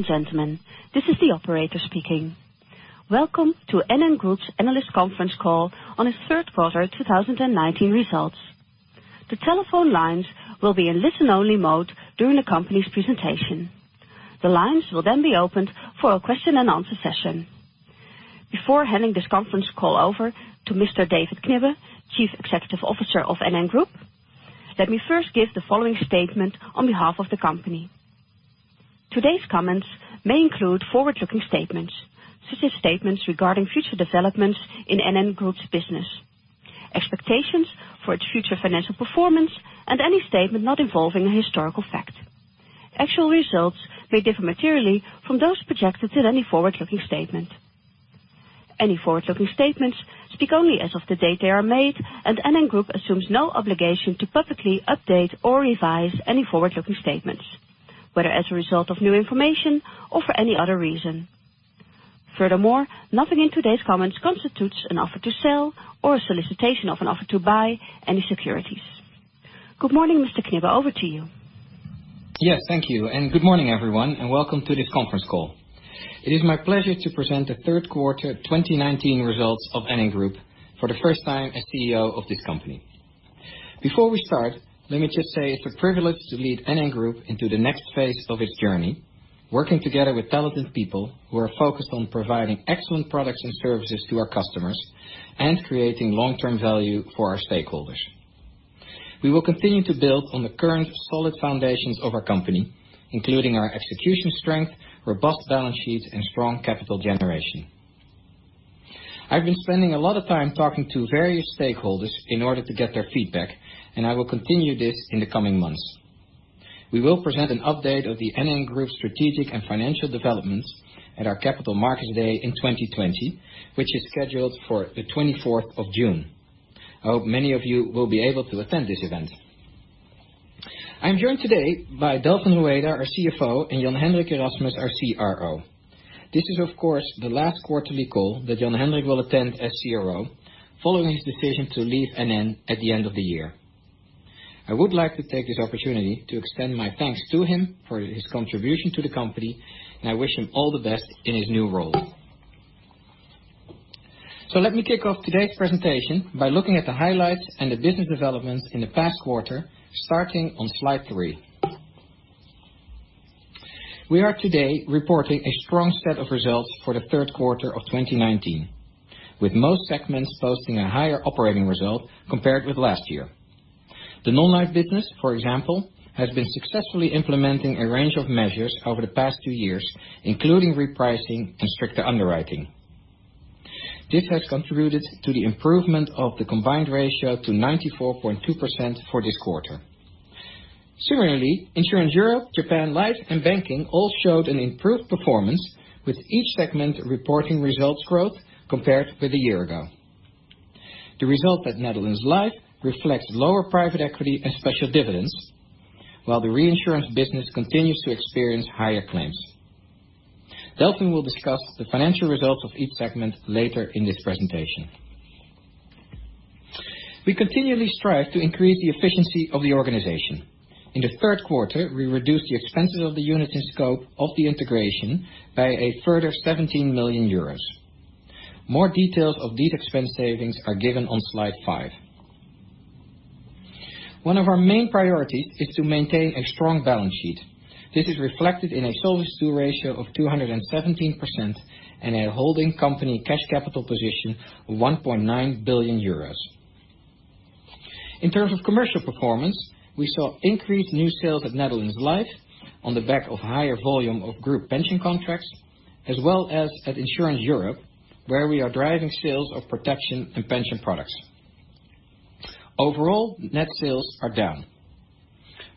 Gentlemen, this is the operator speaking. Welcome to NN Group's analyst conference call on its third quarter 2019 results. The telephone lines will be in listen-only mode during the company's presentation. The lines will then be opened for a question-and-answer session. Before handing this conference call over to Mr. David Knibbe, Chief Executive Officer of NN Group, let me first give the following statement on behalf of the company. Today's comments may include forward-looking statements, such as statements regarding future developments in NN Group's business, expectations for its future financial performance, and any statement not involving a historical fact. Actual results may differ materially from those projected in any forward-looking statement. Any forward-looking statements speak only as of the date they are made. NN Group assumes no obligation to publicly update or revise any forward-looking statements, whether as a result of new information or for any other reason. Furthermore, nothing in today's comments constitutes an offer to sell or a solicitation of an offer to buy any securities. Good morning, Mr. Knibbe. Over to you. Yes, thank you. Good morning, everyone, and welcome to this conference call. It is my pleasure to present the third quarter 2019 results of NN Group for the first time as CEO of this company. Before we start, let me just say it's a privilege to lead NN Group into the next phase of its journey, working together with talented people who are focused on providing excellent products and services to our customers and creating long-term value for our stakeholders. We will continue to build on the current solid foundations of our company, including our execution strength, robust balance sheet, and strong capital generation. I've been spending a lot of time talking to various stakeholders in order to get their feedback, and I will continue this in the coming months. We will present an update of the NN Group strategic and financial developments at our Capital Markets Day in 2020, which is scheduled for the 24th of June. I hope many of you will be able to attend this event. I am joined today by Delfin Rueda, our CFO, and Jan Hendrik Erasmus, our CRO. This is, of course, the last quarterly call that Jan Hendrik will attend as CRO following his decision to leave NN at the end of the year. I would like to take this opportunity to extend my thanks to him for his contribution to the company, and I wish him all the best in his new role. Let me kick off today's presentation by looking at the highlights and the business developments in the past quarter, starting on slide three. We are today reporting a strong set of results for the third quarter of 2019, with most segments posting a higher operating result compared with last year. The non-Life business, for example, has been successfully implementing a range of measures over the past two years, including repricing and stricter underwriting. This has contributed to the improvement of the combined ratio to 94.2% for this quarter. Similarly, Insurance Europe, Japan Life, and Banking all showed an improved performance, with each segment reporting results growth compared with a year ago. The result at Netherlands Life reflects lower private equity and special dividends, while the reinsurance business continues to experience higher claims. Delfin will discuss the financial results of each segment later in this presentation. We continually strive to increase the efficiency of the organization. In the third quarter, we reduced the expenses of the units in scope of the integration by a further 17 million euros. More details of these expense savings are given on slide five. One of our main priorities is to maintain a strong balance sheet. This is reflected in a Solvency II ratio of 217% and a holding company cash capital position of 1.9 billion euros. In terms of commercial performance, we saw increased new sales at Netherlands Life on the back of higher volume of group pension contracts, as well as at Insurance Europe, where we are driving sales of protection and pension products. Overall, net sales are down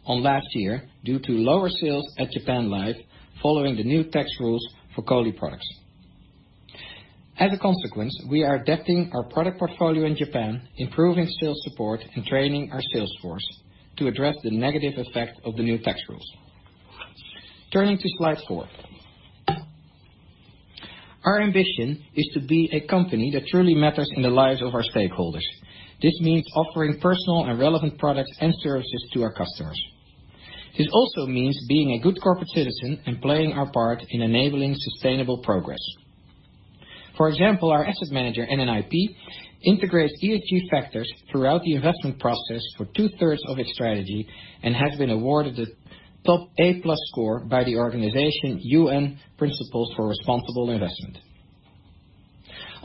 on last year due to lower sales at Japan Life following the new tax rules for COLI products. As a consequence, we are adapting our product portfolio in Japan, improving sales support, and training our sales force to address the negative effect of the new tax rules. Turning to slide four. Our ambition is to be a company that truly matters in the lives of our stakeholders. This means offering personal and relevant products and services to our customers. This also means being a good corporate citizen and playing our part in enabling sustainable progress. For example, our asset manager, NN IP, integrates ESG factors throughout the investment process for two-thirds of its strategy and has been awarded the top A+ score by the organization UN Principles for Responsible Investment.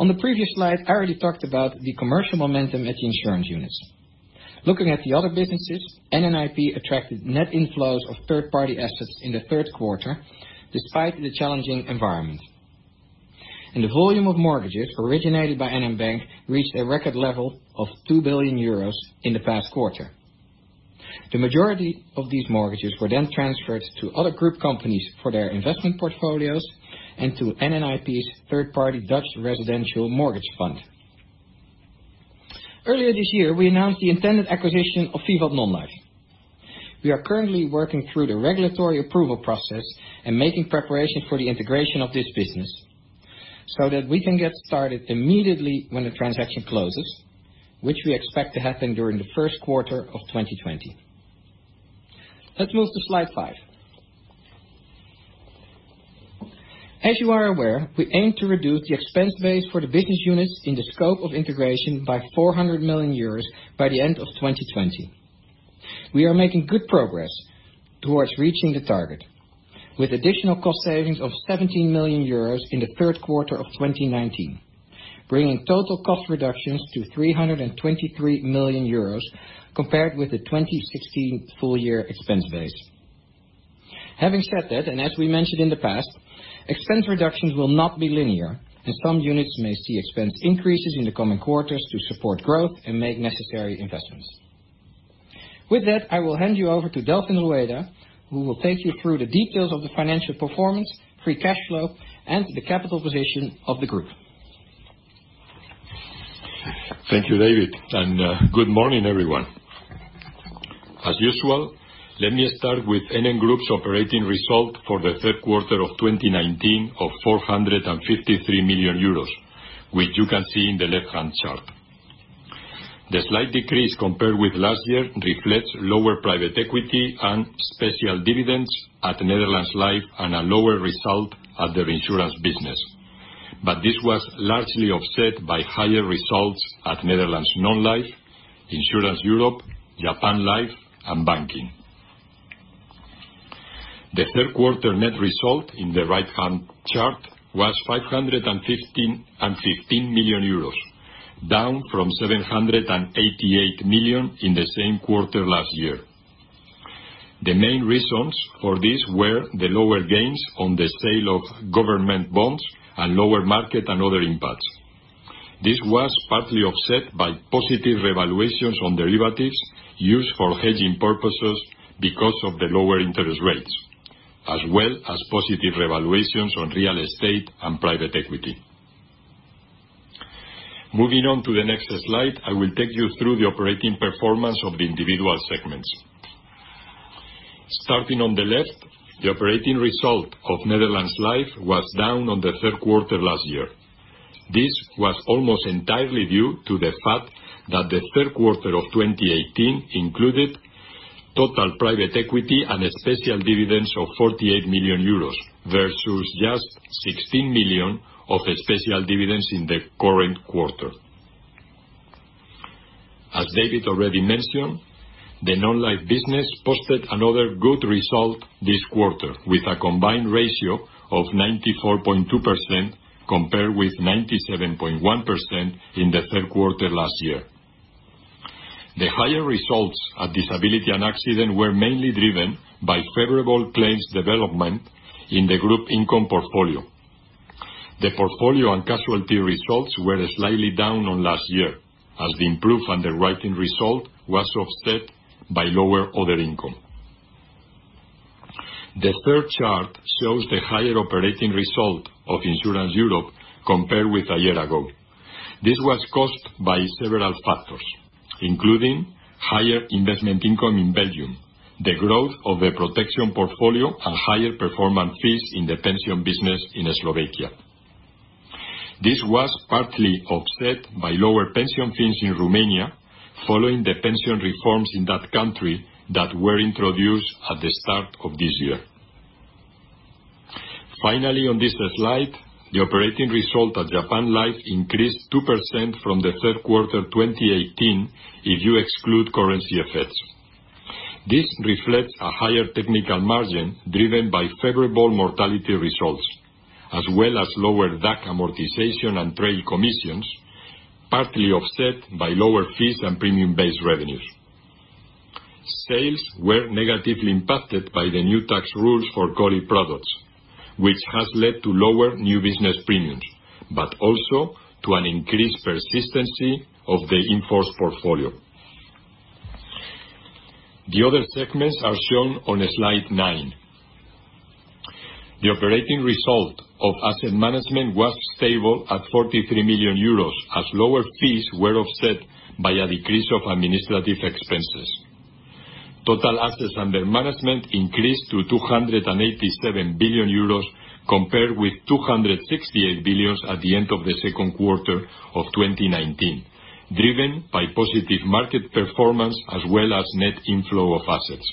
On the previous slide, I already talked about the commercial momentum at the insurance units. Looking at the other businesses, NN IP attracted net inflows of third-party assets in the third quarter, despite the challenging environment. The volume of mortgages originated by NN Bank reached a record level of 2 billion euros in the past quarter. The majority of these mortgages were then transferred to other group companies for their investment portfolios and to NN IP's third-party Dutch residential mortgage fund. Earlier this year, we announced the intended acquisition of VIVAT Non-life. We are currently working through the regulatory approval process and making preparations for the integration of this business. That we can get started immediately when the transaction closes, which we expect to happen during the first quarter of 2020. Let's move to slide five. As you are aware, we aim to reduce the expense base for the business units in the scope of integration by 400 million euros by the end of 2020. We are making good progress towards reaching the target, with additional cost savings of 17 million euros in the third quarter of 2019, bringing total cost reductions to 323 million euros compared with the 2016 full year expense base. Having said that, and as we mentioned in the past, expense reductions will not be linear, and some units may see expense increases in the coming quarters to support growth and make necessary investments. With that, I will hand you over to Delfin Rueda, who will take you through the details of the financial performance, free cash flow, and the capital position of the group. Thank you, David. Good morning, everyone. As usual, let me start with NN Group's operating result for the third quarter of 2019 of 453 million euros, which you can see in the left-hand chart. The slight decrease compared with last year reflects lower private equity and special dividends at Netherlands Life and a lower result at the reinsurance business. This was largely offset by higher results at Netherlands Non-life, Insurance Europe, Japan Life, and Banking. The third quarter net result in the right-hand chart was 515 million euros, down from 788 million in the same quarter last year. The main reasons for this were the lower gains on the sale of government bonds and lower market and other impacts. This was partly offset by positive revaluations on derivatives used for hedging purposes because of the lower interest rates, as well as positive revaluations on real estate and private equity. Moving on to the next slide, I will take you through the operating performance of the individual segments. Starting on the left, the operating result of Netherlands Life was down on the third quarter last year. This was almost entirely due to the fact that the third quarter of 2018 included total private equity and special dividends of 48 million euros, versus just 16 million of special dividends in the current quarter. As David already mentioned, the non-Life business posted another good result this quarter, with a combined ratio of 94.2% compared with 97.1% in the third quarter last year. The higher results at Disability and Accident were mainly driven by favorable claims development in the group income portfolio. The portfolio and casualty results were slightly down on last year, as the improved underwriting result was offset by lower other income. The third chart shows the higher operating result of Insurance Europe compared with a year ago. This was caused by several factors, including higher investment income in Belgium, the growth of the protection portfolio, and higher performance fees in the pension business in Slovakia. This was partly offset by lower pension fees in Romania, following the pension reforms in that country that were introduced at the start of this year. Finally, on this slide, the operating result at Japan Life increased 2% from the third quarter 2018 if you exclude currency effects. This reflects a higher technical margin driven by favorable mortality results, as well as lower DAC amortization and trade commissions, partly offset by lower fees and premium-based revenues. Sales were negatively impacted by the new tax rules for COLI products, which has led to lower new business premiums, but also to an increased persistency of the in-force portfolio. The other segments are shown on slide nine. The operating result of Asset Management was stable at 43 million euros, as lower fees were offset by a decrease of administrative expenses. Total assets under management increased to 287 billion euros compared with 268 billion at the end of the second quarter of 2019, driven by positive market performance as well as net inflow of assets.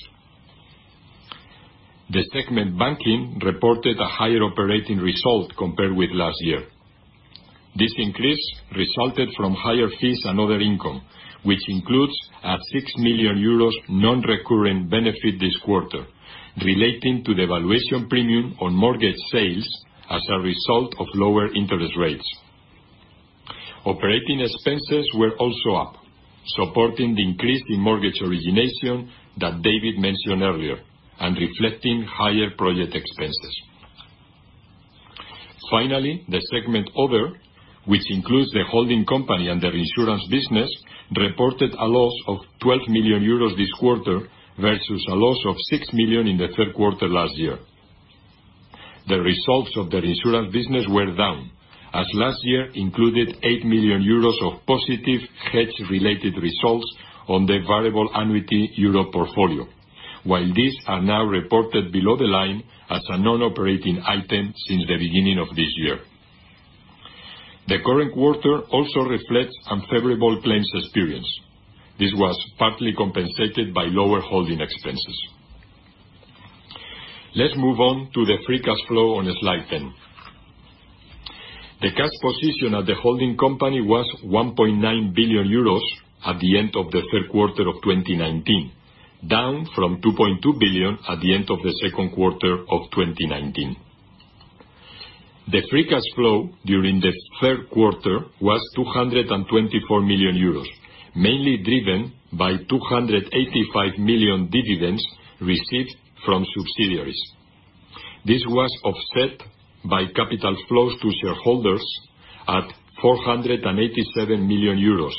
The segment Banking reported a higher operating result compared with last year. This increase resulted from higher fees and other income, which includes a 6 million euros non-recurring benefit this quarter relating to the valuation premium on mortgage sales as a result of lower interest rates. Operating expenses were also up, supporting the increase in mortgage origination that David mentioned earlier and reflecting higher project expenses. The segment Other, which includes the holding company and the reinsurance business, reported a loss of 12 million euros this quarter versus a loss of 6 million in the third quarter last year. The results of the reinsurance business were down, last year included 8 million euros of positive hedge-related results on the variable annuity euro portfolio. These are now reported below the line as a non-operating item since the beginning of this year. The current quarter also reflects unfavorable claims experience. This was partly compensated by lower holding expenses. Let's move on to the free cash flow on slide 10. The cash position at the holding company was 1.9 billion euros at the end of the third quarter of 2019, down from 2.2 billion at the end of the second quarter of 2019. The free cash flow during the third quarter was 224 million euros, mainly driven by 285 million dividends received from subsidiaries. This was offset by capital flows to shareholders at 487 million euros,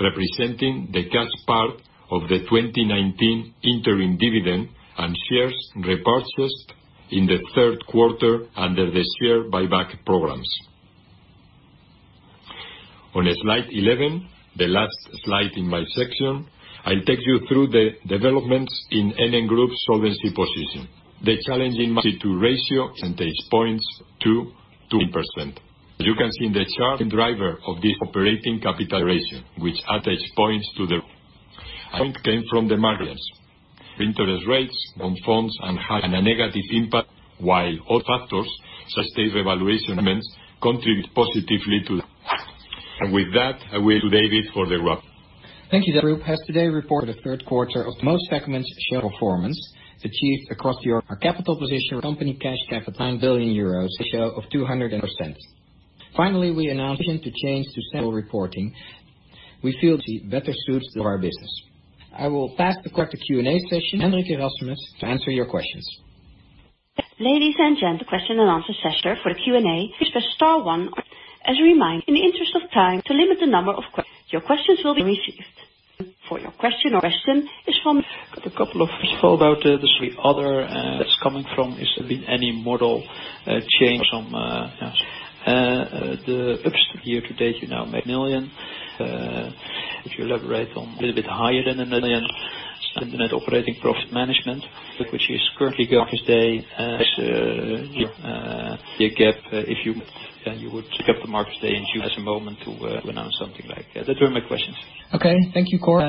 representing the cash part of the 2019 interim dividend and shares repurchased in the third quarter under the share buyback programs. On slide 11, the last slide in my section, I'll take you through the developments in NN Group's Solvency position. The challenging ratio percentage points to 2%. You can see in the chart, driver of the operating capital ratio, which are attached points to the. Interest rates on funds and had a negative impact, while all factors, such as reevaluation amendments, contribute positively to that. With that, I will hand to David for the wrap. Thank you. Group has today reported the third quarter of most segments share performance achieved. Our capital position, company cash capital 1.9 billion euros, a ratio of 200%. We announced intention to change to single reporting. We feel it better suits the rest of our business. I will pass the call to Q&A session, Hendrik Erasmus to answer your questions. Ladies and gentlemen, the question and answer session for the Q&A, please press star one. As a reminder, in the interest of time, to limit the number of questions, your questions will be received. For your question. Question is from. Got a couple of, first of all about the other that's coming from, is there been any model change from? The upstream year to date, you now make million. If you elaborate on a little bit higher than the million net operating profit management, which is currently going office day as your GAAP. If you would pick up the market today and choose a moment to announce something like that. Those are my questions. Okay. Thank you, Cor.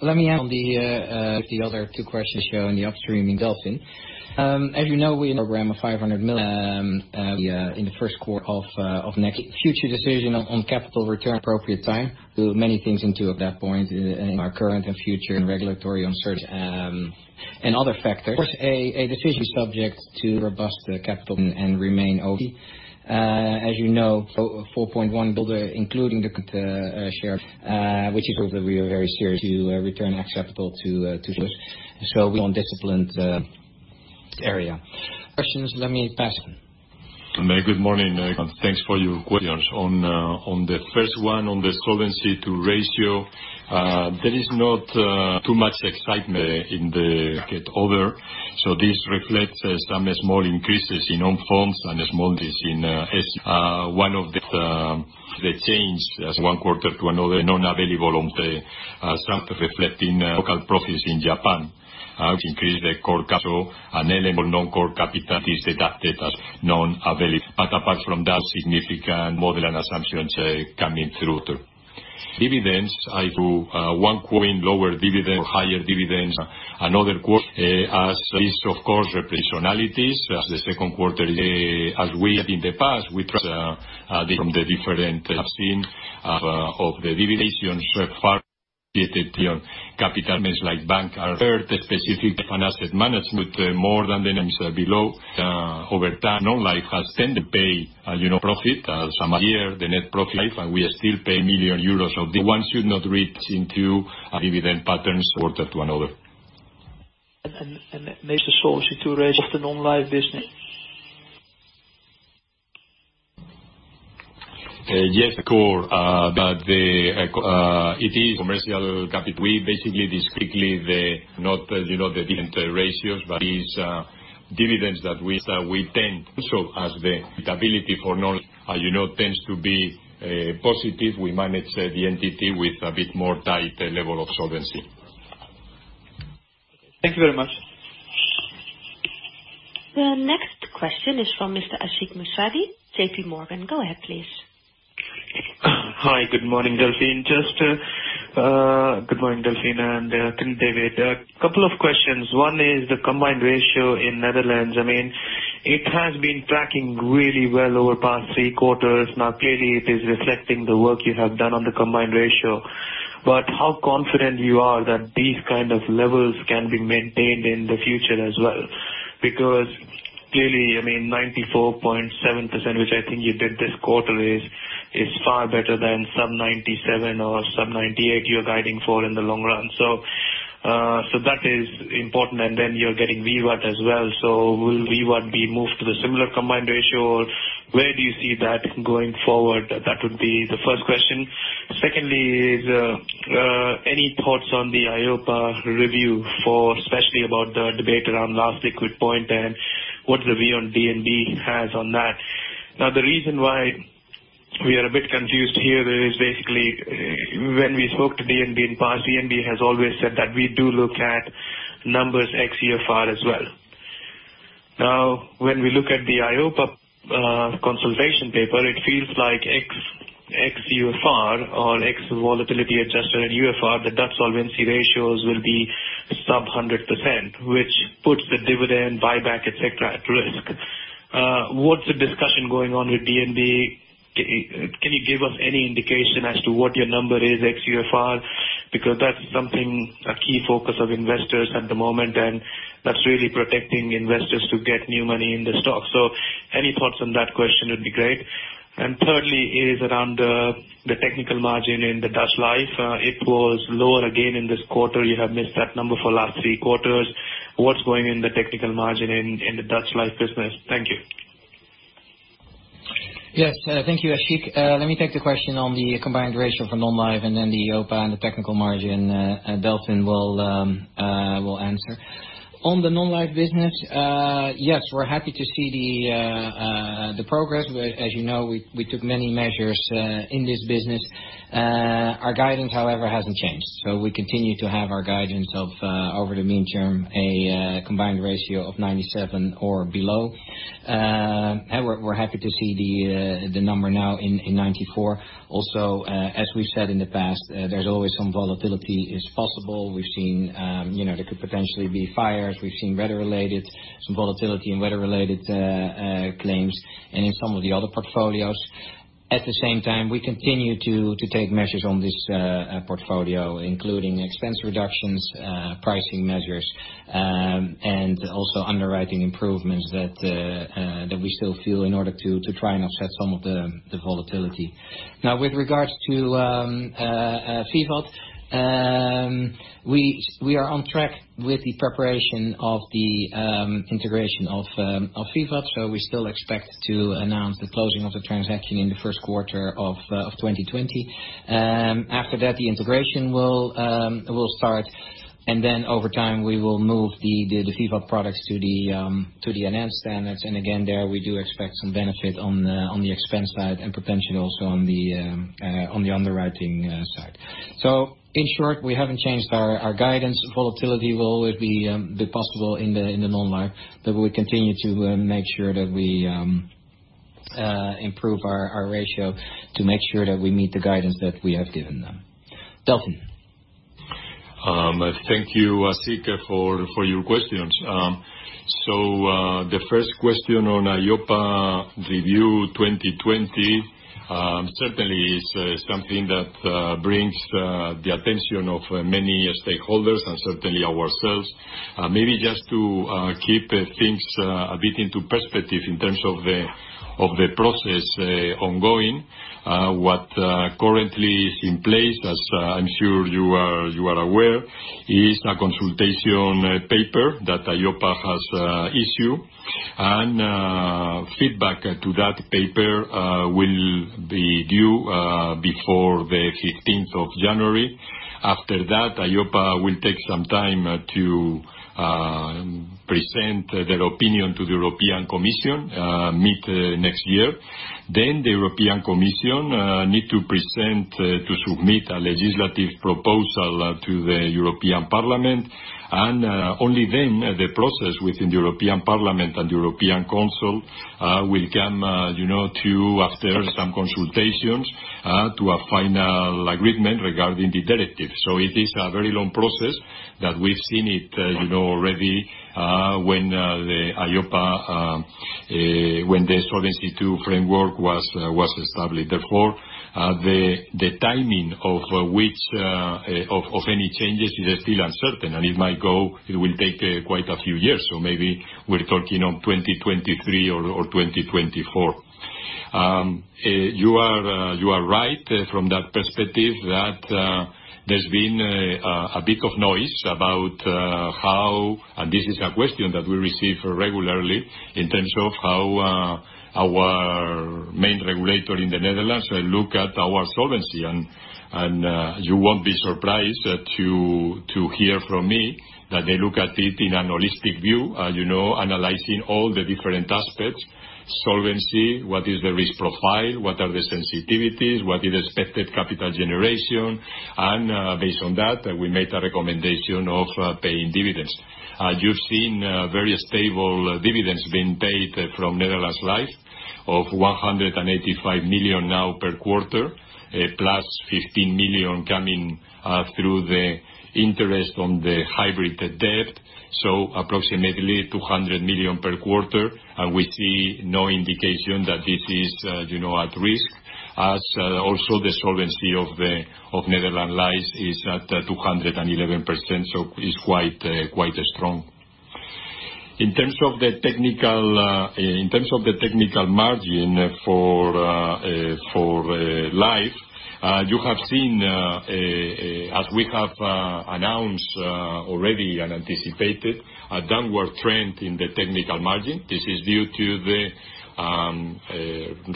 Let me add on the, with the other two questions up to him in Delfin. As you know, we had a program of 500 million in Q1 of next. Future decision on capital return appropriate time. We have many things to take into account at that point in our current and future regulatory uncertainty, and other factors. Of course, a decision subject to robust capital and remain solid. As you know, 4.1 billion, including the share, which is proof that we are very serious to return that capital to shareholders. We are on disciplined area. Questions? Let me pass. Good morning. Thanks for your questions. On the first one, on the Solvency II ratio, there is not too much excitement in the aggregate. This reflects some small increases in own funds and small decrease in SCR. One of the change as one quarter to another non-available on the sub reflecting local profits in Japan, which increase the core capital and eligible non-core capital is deducted as non-available. Apart from that, significant model and assumptions coming through, too. Dividends, due to one quarter in lower dividend or higher dividends another quarter. As is, of course, proportionalities as the second quarter. As we said in the past, we trust, from the different aspects of the dividend decisions so far created capital like NN Bank, third specific fund Asset Management with more than the names below. Over time, Non-life has tended to pay a low profit. Some year, the net profit Netherlands Life, and we are still paying million euro. One should not read into dividend patterns quarter to another. May source it to raise of the Non-life business. Yes, Cor. It is commercial capital. We basically discreetly, not the different ratios, but these dividends that we tend also as the ability for Non-life, as you know, tends to be positive. We manage the entity with a bit more tight level of Solvency. Thank you very much. The next question is from Mr. Ashik Musaddi, JPMorgan. Go ahead, please. Hi. Good morning, Delfin. Good morning, Delfin and David. A couple of questions. One is the combined ratio in Netherlands. It has been tracking really well over past three quarters. Clearly, it is reflecting the work you have done on the combined ratio. How confident you are that these kind of levels can be maintained in the future as well? Clearly, 94.7%, which I think you did this quarter is far better than sub 97% or sub 98% you're guiding for in the long run. That is important, and then you're getting VIVAT as well. Will VIVAT be moved to the similar combined ratio, or where do you see that going forward? That would be the first question. Secondly, any thoughts on the EIOPA review for, especially about the debate around Last Liquid Point and what review on DNB has on that? The reason why we are a bit confused here. When we spoke to DNB in past, DNB has always said that we do look at numbers ex-UFR as well. When we look at the EIOPA consultation paper, it feels like ex-UFR or ex-volatility adjusted and UFR, the Dutch Solvency ratios will be sub 100%, which puts the dividend, buyback, et cetera, at risk. What's the discussion going on with DNB? Can you give us any indication as to what your number is ex-UFR? That's something, a key focus of investors at the moment, and that's really protecting investors to get new money in the stock. Any thoughts on that question would be great. Thirdly is around the technical margin in the Netherlands Life. It was lower again in this quarter. You have missed that number for last three quarters. What's going in the technical margin in the Dutch Life business? Thank you. Yes. Thank you, Ashik. Let me take the question on the combined ratio for Non-life, then the EIOPA and the technical margin, Delfin will answer. On the Non-life business. Yes, we are happy to see the progress. As you know, we took many measures in this business. Our guidance, however, has not changed. We continue to have our guidance of, over the midterm, a combined ratio of 97 or below. We are happy to see the number now in 94. Also, as we have said in the past, there is always some volatility is possible. There could potentially be fires. We have seen some volatility in weather-related claims and in some of the other portfolios. At the same time, we continue to take measures on this portfolio, including expense reductions, pricing measures, and also underwriting improvements that we still feel in order to try and offset some of the volatility. With regards to VIVAT, we are on track with the preparation of the integration of VIVAT. We still expect to announce the closing of the transaction in the first quarter of 2020. After that, the integration will start, and then over time, we will move the VIVAT products to the enhanced standards. Again, there we do expect some benefit on the expense side and potentially also on the underwriting side. In short, we haven't changed our guidance. Volatility will always be possible in the Non-Life, but we continue to make sure that we improve our ratio to make sure that we meet the guidance that we have given them. Delfin. Thank you, Ashik, for your questions. The first question on EIOPA review 2020, certainly is something that brings the attention of many stakeholders and certainly ourselves. Maybe just to keep things a bit into perspective in terms of the process ongoing. What currently is in place, as I'm sure you are aware, is a consultation paper that EIOPA has issued, and feedback to that paper will be due before the 15th of January. After that, EIOPA will take some time to present their opinion to the European Commission mid next year. The European Commission need to submit a legislative proposal to the European Parliament, and only then the process within the European Parliament and European Council will come to, after some consultations, to a final agreement regarding the directive. It is a very long process that we've seen it already, when the EIOPA. Solvency II framework was established. The timing of any changes is still uncertain. It will take quite a few years. Maybe we're talking on 2023 or 2024. You are right from that perspective, that there's been a bit of noise about how, and this is a question that we receive regularly, in terms of how our main regulator in the Netherlands look at our Solvency. You won't be surprised to hear from me that they look at it in a holistic view, analyzing all the different aspects, Solvency, what is the risk profile, what are the sensitivities, what is expected capital generation. Based on that, we made a recommendation of paying dividends. You've seen very stable dividends being paid from Netherlands Life of 185 million now per quarter, +15 million coming through the interest on the hybrid debt. Approximately 200 million per quarter. We see no indication that this is at risk. Also the Solvency of Netherlands Life is at 211%, so is quite strong. In terms of the technical margin for Life. You have seen, as we have announced already, and anticipated, a downward trend in the technical margin. This is due to the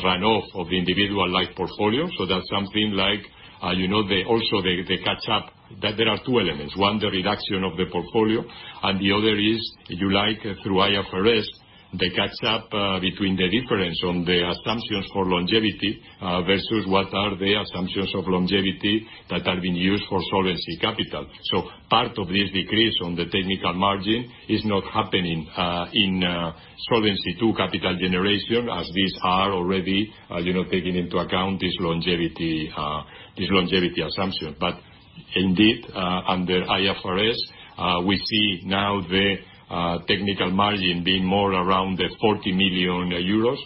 runoff of the individual Life portfolio. That's something like, also they catch up. There are two elements. One, the reduction of the portfolio, and the other is, through IFRS, the catch up between the difference on the assumptions for longevity, versus what are the assumptions of longevity that are being used for Solvency II capital. Part of this decrease on the technical margin is not happening in Solvency II capital generation, as these are already taking into account this longevity assumption. Indeed, under IFRS, we see now the technical margin being more around 40 million euros,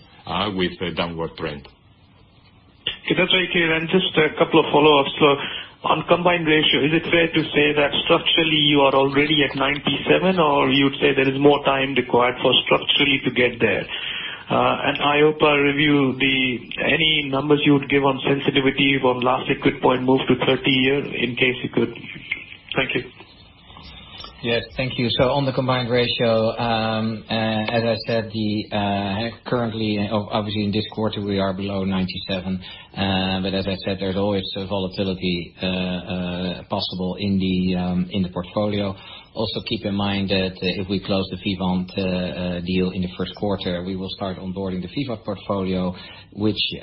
with a downward trend. Okay. That's very clear. Just a couple of follow-ups. On combined ratio, is it fair to say that structurally you are already at 97%, or you'd say there is more time required for structurally to get there? EIOPA review, any numbers you would give on sensitivity from Last Liquid Point move to 30 year, in case you could? Thank you. Yes. Thank you. On the combined ratio, as I said, currently, obviously in this quarter, we are below 97%. As I said, there's always volatility possible in the portfolio. Keep in mind that if we close the VIVAT deal in the first quarter, we will start onboarding the VIVAT portfolio, which we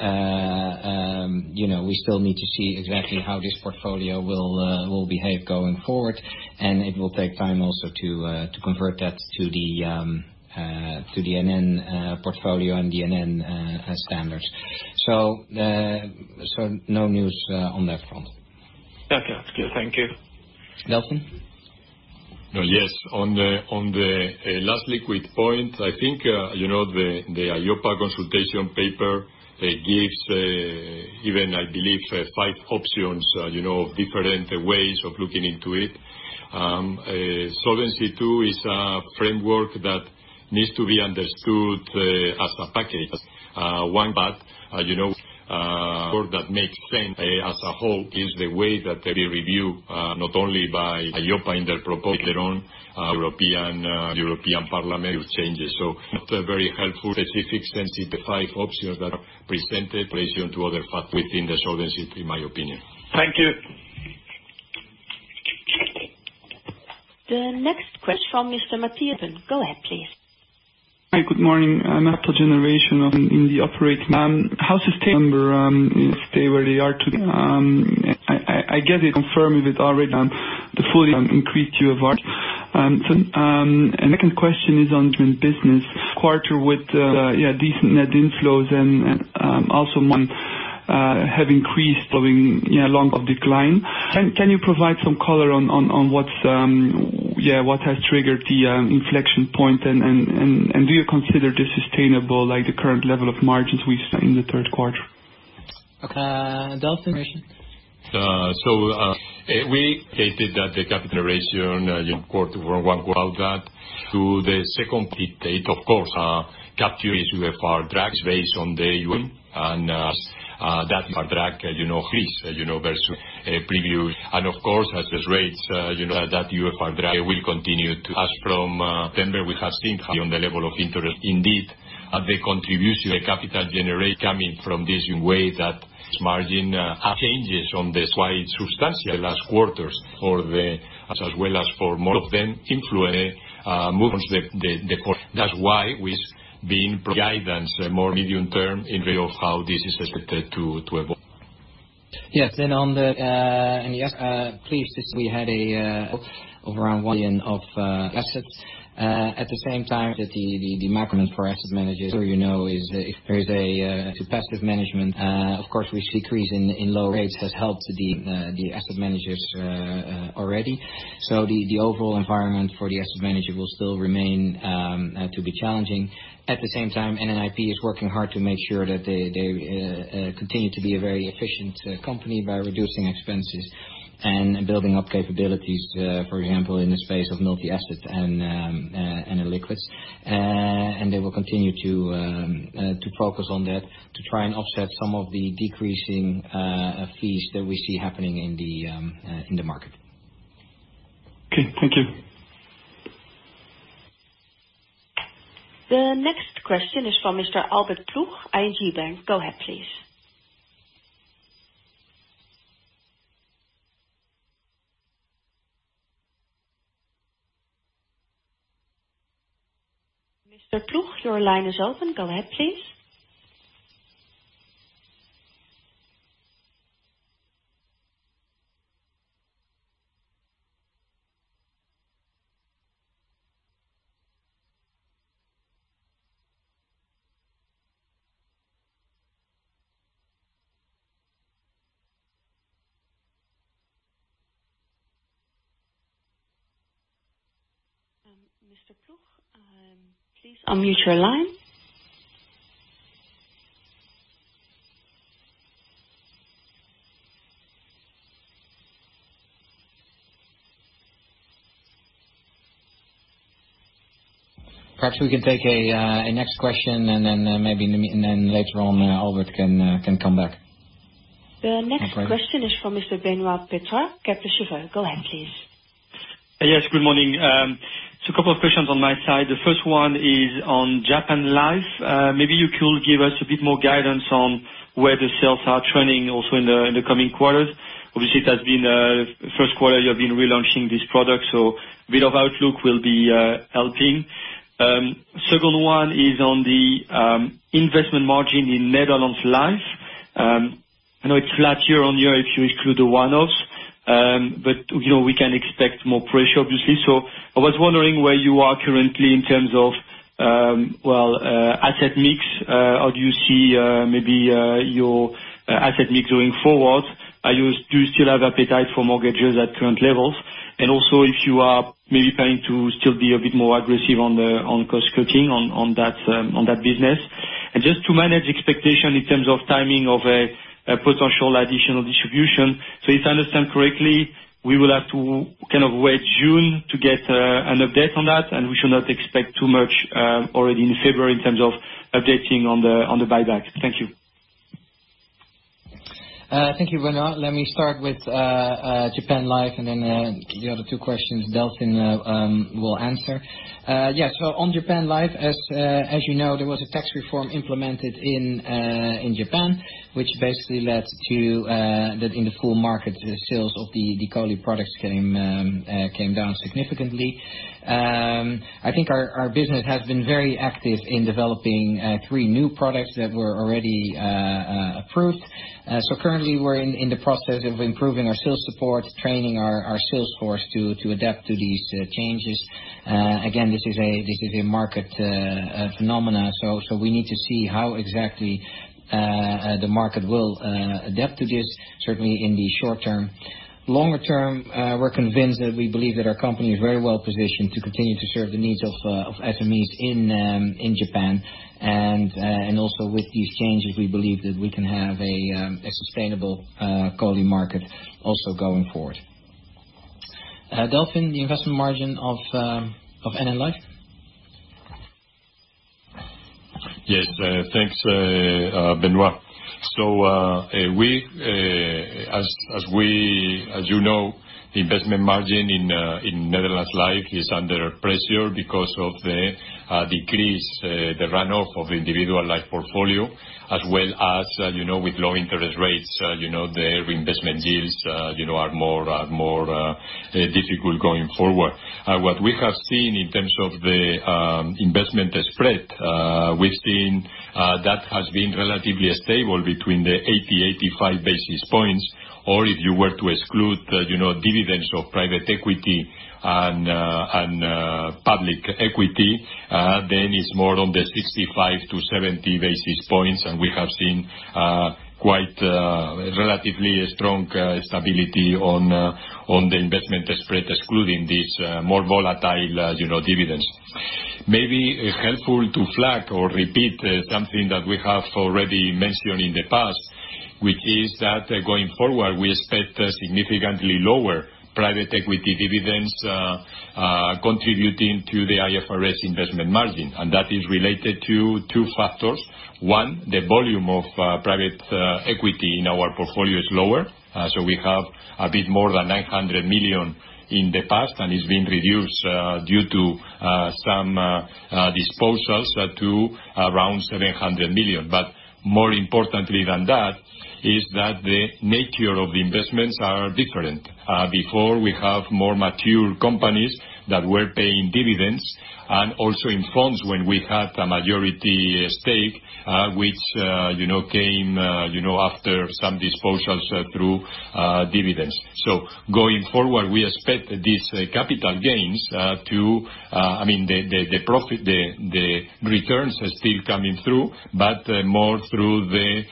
still need to see exactly how this portfolio will behave going forward. It will take time also to convert that to the NN portfolio and the NN standards. No news on that front. Okay. Thank you. Delfin? Yes. On the Last Liquid Point, I think, the EIOPA consultation paper gives even, I believe, five options, different ways of looking into it. Solvency II is a framework that needs to be understood as a package. One that makes sense as a whole is the way that they review, not only by EIOPA in their proposed their own European Parliament changes. Not a very helpful specific, sensitive five options that are presented relation to other factors within the Solvency II, in my opinion. Thank you. The next question from Mr. Matthias. Go ahead, please. Hi. Good morning. I'm after generation in the operating. How sustainable is stay where they are today? I get it confirmed if it's already the fully increased UFR. Second question is on business. Quarter with decent net inflows and also margin have increased following long of decline. Can you provide some color on what has triggered the inflection point, and do you consider this sustainable, like the current level of margins we've seen in the third quarter? Okay. Delfin? We stated that the capital ratio quarter one without that. To the second date, of course, capture UFR drags based on the ERM, and that UFR drag freeze versus previous. Of course, as rates, that UFR drag will continue to. From September, we have seen on the level of interest. Indeed, the contribution of capital generation coming from this in way that margin changes on this quite substantial last quarters for the, as well as for more of them influence the quarter. That's why we've been guiding more medium term in way of how this is expected to evolve. Yes. On the, please, since we had around 1 billion of assets. At the same time that the macro for asset managers, as you know, is if there's a passive management, of course, which decrease in low rates has helped the asset managers already. The overall environment for the asset manager will still remain to be challenging. At the same time, NN IP is working hard to make sure that they continue to be a very efficient company by reducing expenses and building up capabilities, for example, in the space of multi-asset and illiquids. They will continue to focus on that to try and offset some of the decreasing fees that we see happening in the market. Okay. Thank you. The next question is from Mr. Albert Ploegh, ING Bank. Go ahead, please. Mr. Ploegh, your line is open. Go ahead, please. Mr. Ploegh, please unmute your line. Perhaps we can take a next question, and then later on, Albert can come back. The next question is from Mr. Benoit Petrarque, Kepler Cheuvreux. Go ahead, please. Yes, good morning. Couple of questions on my side. The first one is on Japan Life. Maybe you could give us a bit more guidance on where the sales are trending also in the coming quarters. Obviously, first quarter, you have been relaunching this product, so bit of outlook will be helping. Second one is on the investment margin in Netherlands Life. I know it's flat year on year if you exclude the one-offs. We can expect more pressure, obviously. I was wondering where you are currently in terms of asset mix. How do you see maybe your asset mix going forward? Do you still have appetite for mortgages at current levels? Also if you are maybe planning to still be a bit more aggressive on cost-cutting on that business. Just to manage expectation in terms of timing of a potential additional distribution. If I understand correctly, we will have to wait June to get an update on that, and we should not expect too much already in February in terms of updating on the buyback. Thank you. Thank you, Benoit. Let me start with Japan Life, and then the other two questions, Delfin will answer. Yes. On Japan Life, as you know, there was a tax reform implemented in Japan, which basically led to, that in the full market, sales of the COLI products came down significantly. I think our business has been very active in developing three new products that were already approved. Currently, we're in the process of improving our sales support, training our sales force to adapt to these changes. Again, this is a market phenomenon, so we need to see how exactly the market will adapt to this, certainly in the short term. Longer term, we're convinced that we believe that our company is very well positioned to continue to serve the needs of SMEs in Japan, and also with these changes, we believe that we can have a sustainable COLI market also going forward. Delfin, the investment margin of NN Life. Yes. Thanks, Benoit. As you know, the investment margin in Netherlands Life is under pressure because of the decrease, the runoff of individual Life portfolio, as well as with low interest rates, the reinvestment yields are more difficult going forward. What we have seen in terms of the investment spread, we've seen that has been relatively stable between the 80 and 85 basis points, or if you were to exclude dividends of private equity and public equity, then it's more on the 65-70 basis points, and we have seen quite relatively strong stability on the investment spread, excluding these more volatile dividends. Maybe helpful to flag or repeat something that we have already mentioned in the past, which is that going forward, we expect significantly lower private equity dividends contributing to the IFRS investment margin. That is related to two factors. One, the volume of private equity in our portfolio is lower. We have a bit more than 900 million in the past, and it's been reduced due to some disposals to around 700 million. More importantly than that, is that the nature of the investments are different. Before we have more mature companies that were paying dividends, and also in funds when we had a majority stake, which came after some disposals through dividends. Going forward, we expect these capital gains, the returns are still coming through, but more through the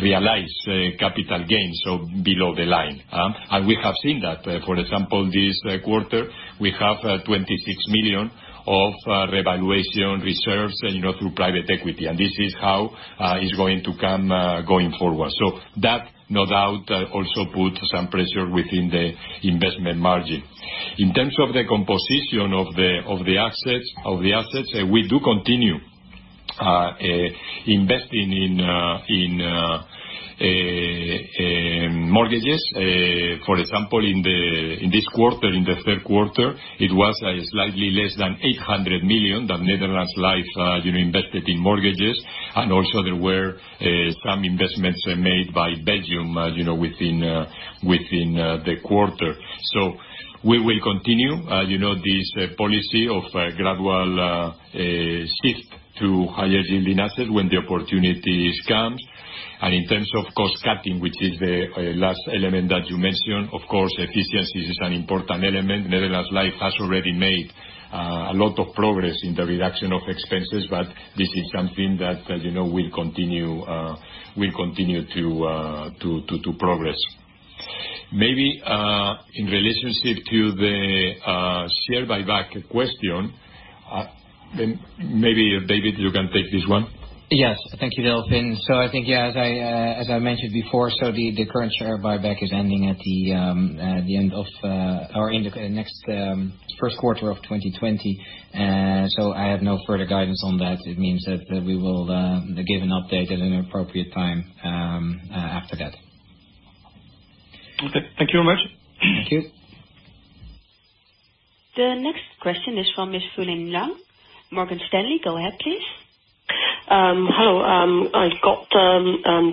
realized capital gains, so below the line. We have seen that. For example, this quarter, we have 26 million of revaluation reserves through private equity, and this is how it's going to come going forward. That, no doubt, also puts some pressure within the investment margin. In terms of the composition of the assets, we do continue investing in mortgages. In this quarter, in the third quarter, it was slightly less than 800 million that Netherlands Life invested in mortgages. Also there were some investments made by Belgium within the quarter. We will continue this policy of a gradual shift to higher yielding assets when the opportunities comes. In terms of cost-cutting, which is the last element that you mentioned, of course, efficiency is an important element. Netherlands Life has already made a lot of progress in the reduction of expenses, this is something that we'll continue to progress. Maybe in relationship to the share buyback question. Maybe David, you can take this one. Yes. Thank you, Delfin. I think as I mentioned before, the current share buyback is ending at the first quarter of 2020. I have no further guidance on that. It means that we will give an update at an appropriate time after that. Okay. Thank you very much. Thank you. The next question is from Ms. Fulin Liang, Morgan Stanley. Go ahead, please. Hello. I've got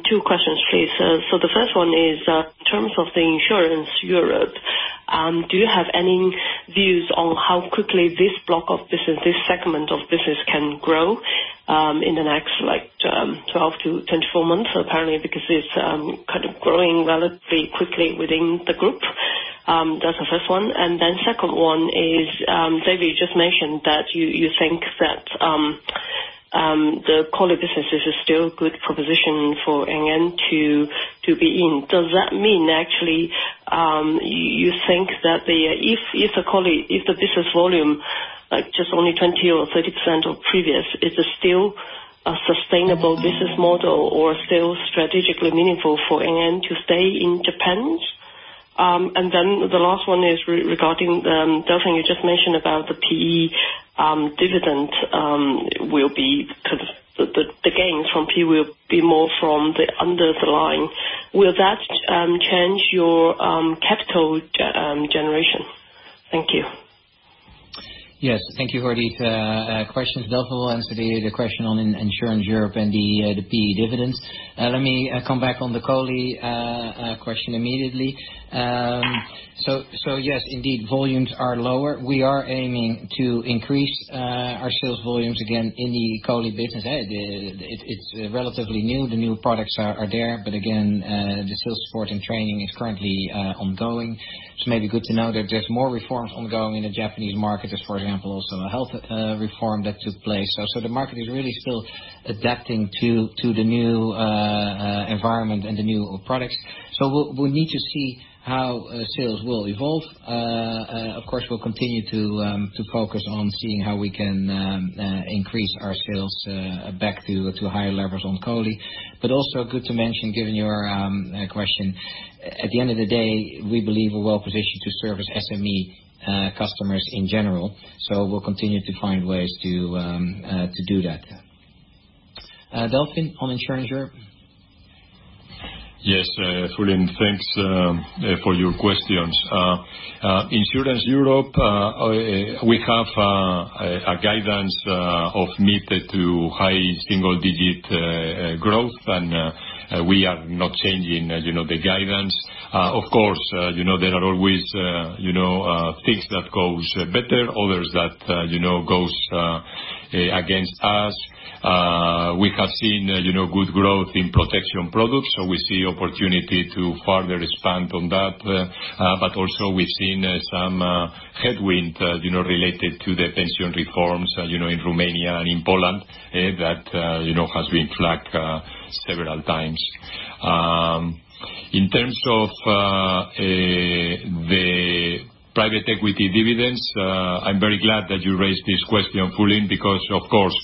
two questions, please. The first one is, in terms of the Insurance Europe, do you have any views on how quickly this block of business, this segment of business can grow in the next 12-24 months? Apparently, because it's kind of growing relatively quickly within the group. That's the first one. Second one is, David just mentioned that you think that the COLI business is a still good proposition for NN to be in. Does that mean actually you think that if the business volume, just only 20% or 30% of previous, is it still a sustainable business model or still strategically meaningful for NN to stay in Japan? The last one is regarding, Delfin, you just mentioned about the PE dividend, the gains from PE will be more from the under the line. Will that change your capital generation? Thank you. Yes. Thank you for these questions. Delfin will answer the question on Insurance Europe and the PE dividends. Let me come back on the COLI question immediately. Yes, indeed, volumes are lower. We are aiming to increase our sales volumes again in the COLI business. It's relatively new. The new products are there. Again, the sales support and training is currently ongoing. It's maybe good to know that there's more reforms ongoing in the Japanese market, as for example, also a health reform that took place. The market is really still adapting to the new environment and the new products. We'll need to see how sales will evolve. Of course, we'll continue to focus on seeing how we can increase our sales back to higher levels on COLI. Also good to mention, given your question, at the end of the day, we believe we're well-positioned to service SME customers in general. We'll continue to find ways to do that. Delfin, on Insurance Europe. Yes. Fulin, thanks for your questions. Insurance Europe, we have a guidance of mid to high single-digit growth, and we are not changing the guidance. Of course there are always things that goes better, others that goes against us. We have seen good growth in protection products, so we see opportunity to further expand on that. Also we've seen some headwind related to the pension reforms in Romania and in Poland, that has been flagged several times. In terms of the private equity dividends, I'm very glad that you raised this question, Fulin, because, of course,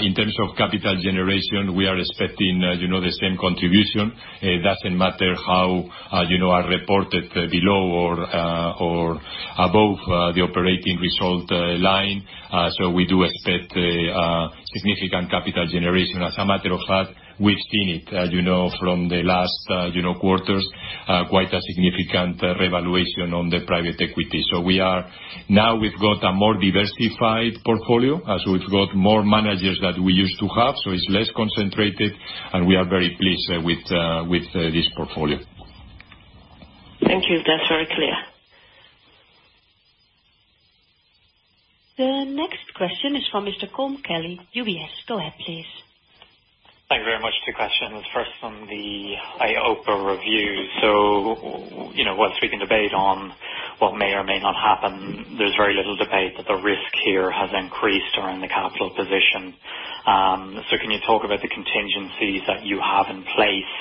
in terms of capital generation, we are expecting the same contribution. It doesn't matter how are reported below or above the operating result line. We do expect a significant capital generation. As a matter of fact, we've seen it from the last quarters, quite a significant revaluation on the private equity. We've got a more diversified portfolio, as we've got more managers than we used to have, so it's less concentrated, and we are very pleased with this portfolio. Thank you. That's very clear. The next question is from Mr. Colm Kelly, UBS. Go ahead, please. Thank you very much. Two questions. First, on the EIOPA review. Whilst we can debate on what may or may not happen, there's very little debate that the risk here has increased around the capital position. Can you talk about the contingencies that you have in place,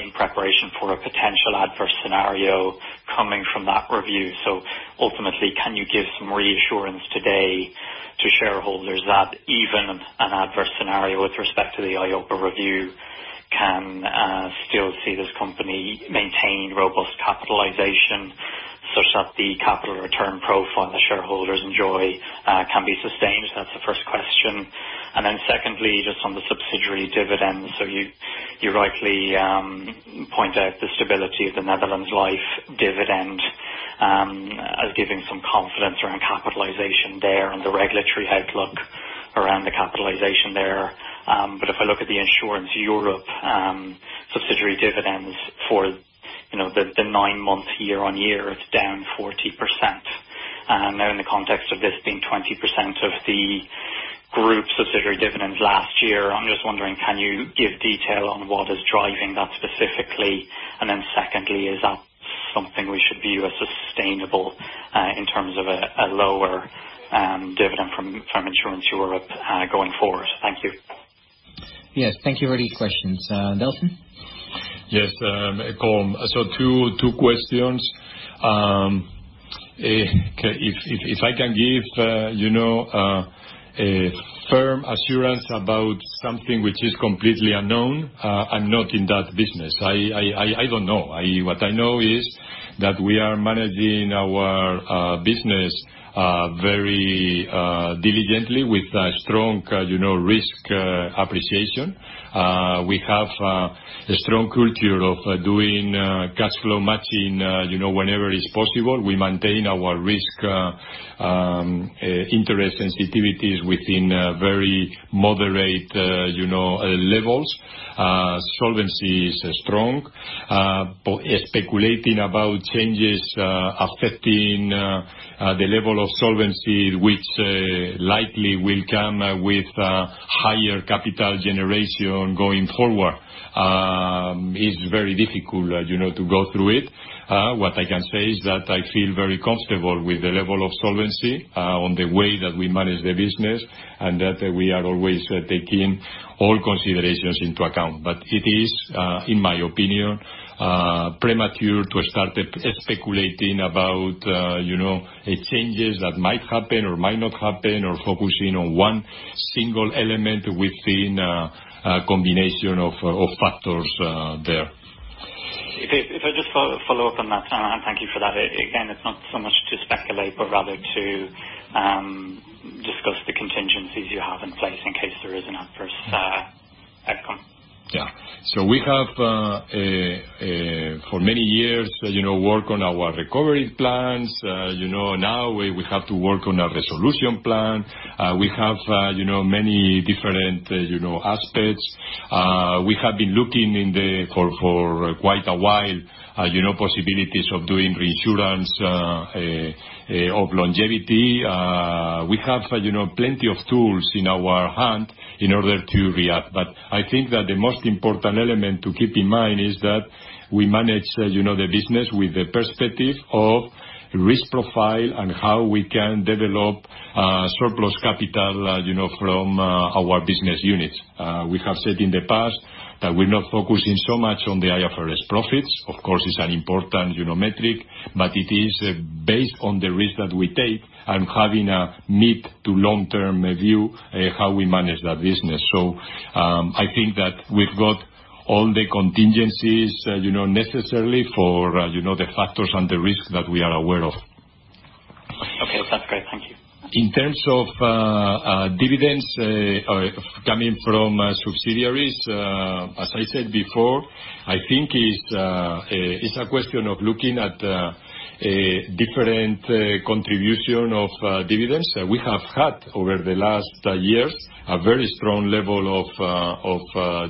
in preparation for a potential adverse scenario coming from that review? Ultimately, can you give some reassurance today to shareholders that even an adverse scenario with respect to the EIOPA review can still see this company maintain robust capitalization, such that the capital return profile the shareholders enjoy can be sustained? That's the first question. Secondly, just on the subsidiary dividends. You rightly point out the stability of the Netherlands Life dividend, as giving some confidence around capitalization there and the regulatory outlook around the capitalization there. If I look at the Insurance Europe subsidiary dividends for the nine months year-on-year, it's down 40%. Now in the context of this being 20% of the group subsidiary dividends last year, I'm just wondering, can you give detail on what is driving that specifically? Secondly, is that something we should view as sustainable in terms of a lower dividend from Insurance Europe going forward? Thank you. Yes. Thank you for these questions. Delfin? Yes. Colm. Two questions. If I can give a firm assurance about something which is completely unknown, I'm not in that business. I don't know. What I know is that we are managing our business very diligently with a strong risk appreciation. We have a strong culture of doing cash flow matching whenever is possible. We maintain our risk interest sensitivities within very moderate levels. Solvency is strong. Speculating about changes affecting the level of Solvency, which likely will come with higher capital generation going forward, is very difficult to go through it. What I can say is that I feel very comfortable with the level of Solvency on the way that we manage the business, and that we are always taking all considerations into account. It is, in my opinion, premature to start speculating about changes that might happen or might not happen or focusing on one single element within a combination of factors there. If I just follow up on that, and thank you for that. Again, it's not so much to speculate, but rather to discuss the contingencies you have in place in case there is an adverse outcome. We have, for many years, worked on our recovery plans. Now, we have to work on a resolution plan. We have many different aspects. We have been looking for quite a while, possibilities of doing reinsurance of longevity. We have plenty of tools in our hand in order to react. I think that the most important element to keep in mind is that we manage the business with the perspective of risk profile and how we can develop surplus capital from our business units. We have said in the past that we're not focusing so much on the IFRS profits. Of course, it's an important metric, it is based on the risk that we take and having a mid to long-term view how we manage that business. I think that we've got all the contingencies necessarily for the factors and the risks that we are aware of. Okay. That's great. Thank you. In terms of dividends coming from subsidiaries, as I said before, I think it's a question of looking at different contribution of dividends. We have had, over the last years, a very strong level of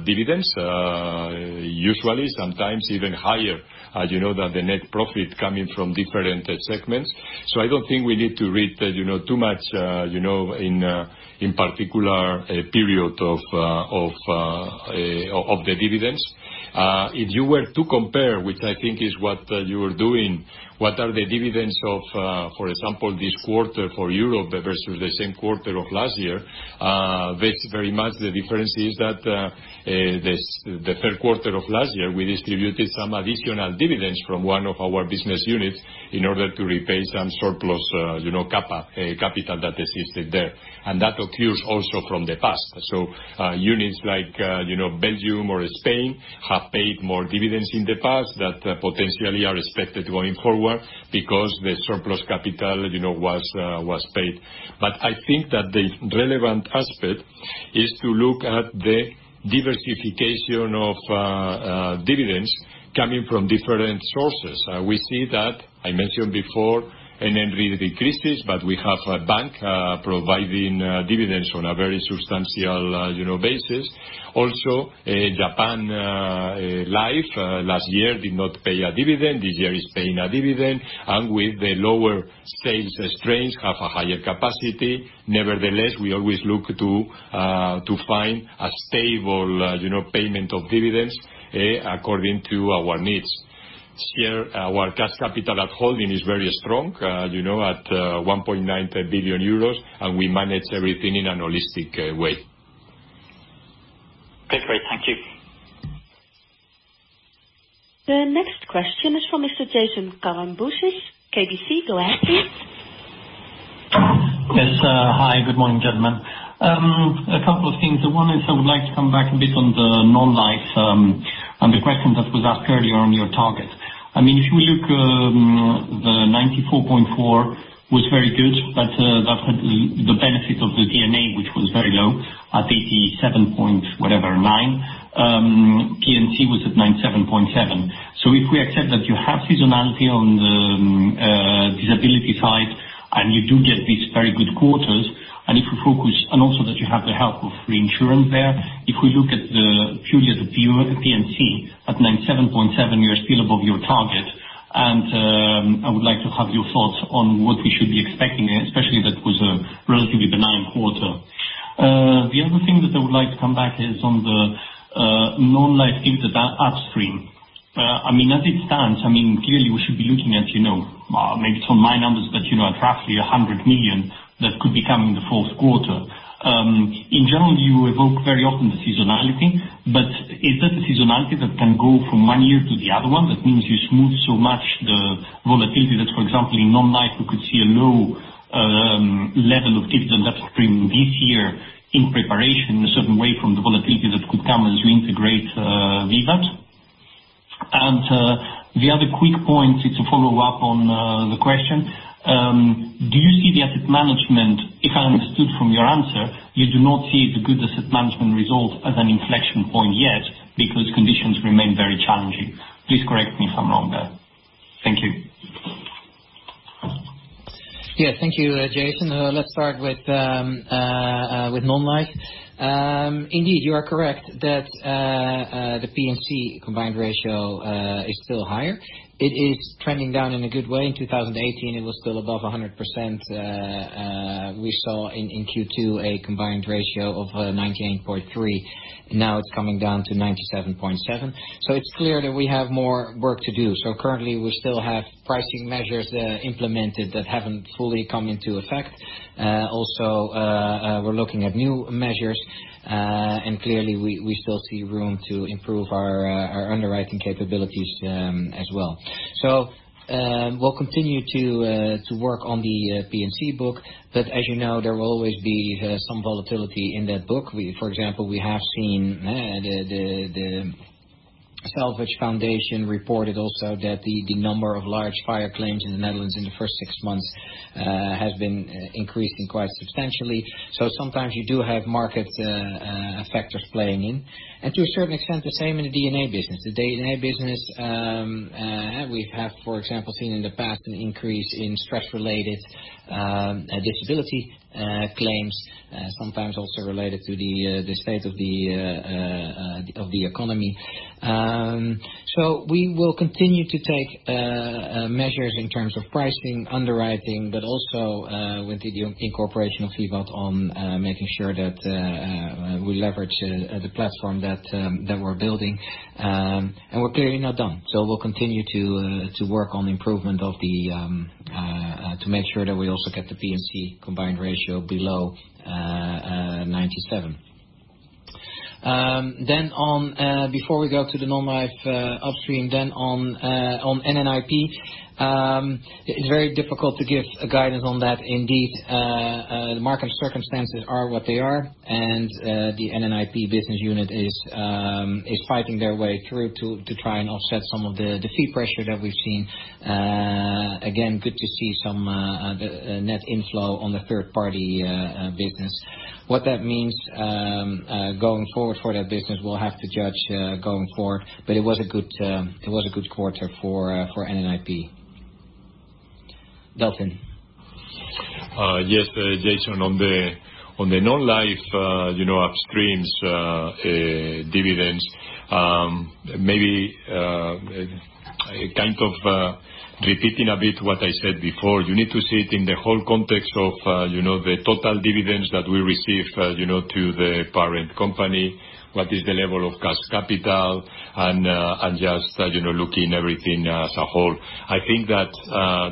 dividends. Usually, sometimes even higher than the net profit coming from different segments. I don't think we need to read too much in particular period of the dividends. If you were to compare, which I think is what you were doing, what are the dividends of, for example, this quarter for Europe versus the same quarter of last year, that's very much the difference is that the third quarter of last year, we distributed some additional dividends from one of our business units in order to repay some surplus capital that existed there. That occurs also from the past. Units like Belgium or Spain have paid more dividends in the past that potentially are expected going forward because the surplus capital was paid. I think that the relevant aspect is to look at the diversification of dividends coming from different sources. We see that, I mentioned before, NN really decreases, but we have a bank providing dividends on a very substantial basis. Also, Japan Life last year did not pay a dividend. This year is paying a dividend, and with the lower sales strains, have a higher capacity. Nevertheless, we always look to find a stable payment of dividends according to our needs. This year, our cash capital at holding is very strong, at 1.9 billion euros, and we manage everything in an holistic way. Okay, great. Thank you. The next question is from Mr. Jason Kalamboussis, KBC. Go ahead, please. Yes. Hi, good morning, gentlemen. A couple of things. One is I would like to come back a bit on the Non-life and the question that was asked earlier on your target. If we look, the 94.4% was very good, but that had the benefit of the D&A, which was very low at 87 points whatever, 9%. P&C was at 97.7%. If we accept that you have seasonality on the disability side, and you do get these very good quarters, and also that you have the help of reinsurance there. If we look at the P&C at 97.7%, you're still above your target. I would like to have your thoughts on what we should be expecting, especially if that was a relatively benign quarter. The other thing that I would like to come back is on the Non-life, into the upstream. As it stands, clearly we should be looking at, maybe some my numbers, but at roughly 100 million that could be coming in the fourth quarter. In general, you evoke very often the seasonality, but is that the seasonality that can go from one year to the other one? That means you smooth so much the volatility that, for example, in Non-life we could see a low level of dividend upstream this year in preparation in a certain way from the volatility that could come as we integrate VIVAT. The other quick point to follow up on the question, do you see the Asset Management, if I understood from your answer, you do not see the good Asset Management result as an inflection point yet because conditions remain very challenging. Please correct me if I'm wrong there. Thank you. Yeah, thank you, Jason. Let's start with Non-life. Indeed, you are correct that the P&C combined ratio is still higher. It is trending down in a good way. In 2018 it was still above 100%. We saw in Q2 a combined ratio of 98.3, and now it's coming down to 97.7. It's clear that we have more work to do. Currently we still have pricing measures implemented that haven't fully come into effect. Also, we're looking at new measures. Clearly we still see room to improve our underwriting capabilities as well. We'll continue to work on the P&C book, but as you know, there will always be some volatility in that book. For example, we have seen the Salvage Foundation reported also that the number of large fire claims in the Netherlands in the first six months has been increasing quite substantially. Sometimes you do have market factors playing in. To a certain extent, the same in the D&A business. The D&A business, we have, for example, seen in the past an increase in stress-related disability claims. Sometimes also related to the state of the economy. We will continue to take measures in terms of pricing, underwriting, but also with the incorporation of VIVAT on making sure that we leverage the platform that we're building. We're clearly not done. We'll continue to work on the improvement to make sure that we also get the P&C combined ratio below 97. Before we go to the Non-life upstream, then on NN IP, it's very difficult to give a guidance on that. Indeed, the market circumstances are what they are. The NN IP business unit is fighting their way through to try and offset some of the fee pressure that we've seen. Again, good to see some net inflow on the third-party business. What that means, going forward for that business, we'll have to judge going forward. It was a good quarter for NN IP. Delfin. Yes, Jason. On the Non-life upstreams dividends, maybe repeating a bit what I said before. You need to see it in the whole context of the total dividends that we receive to the parent company, what is the level of cash capital, and just looking everything as a whole. I think that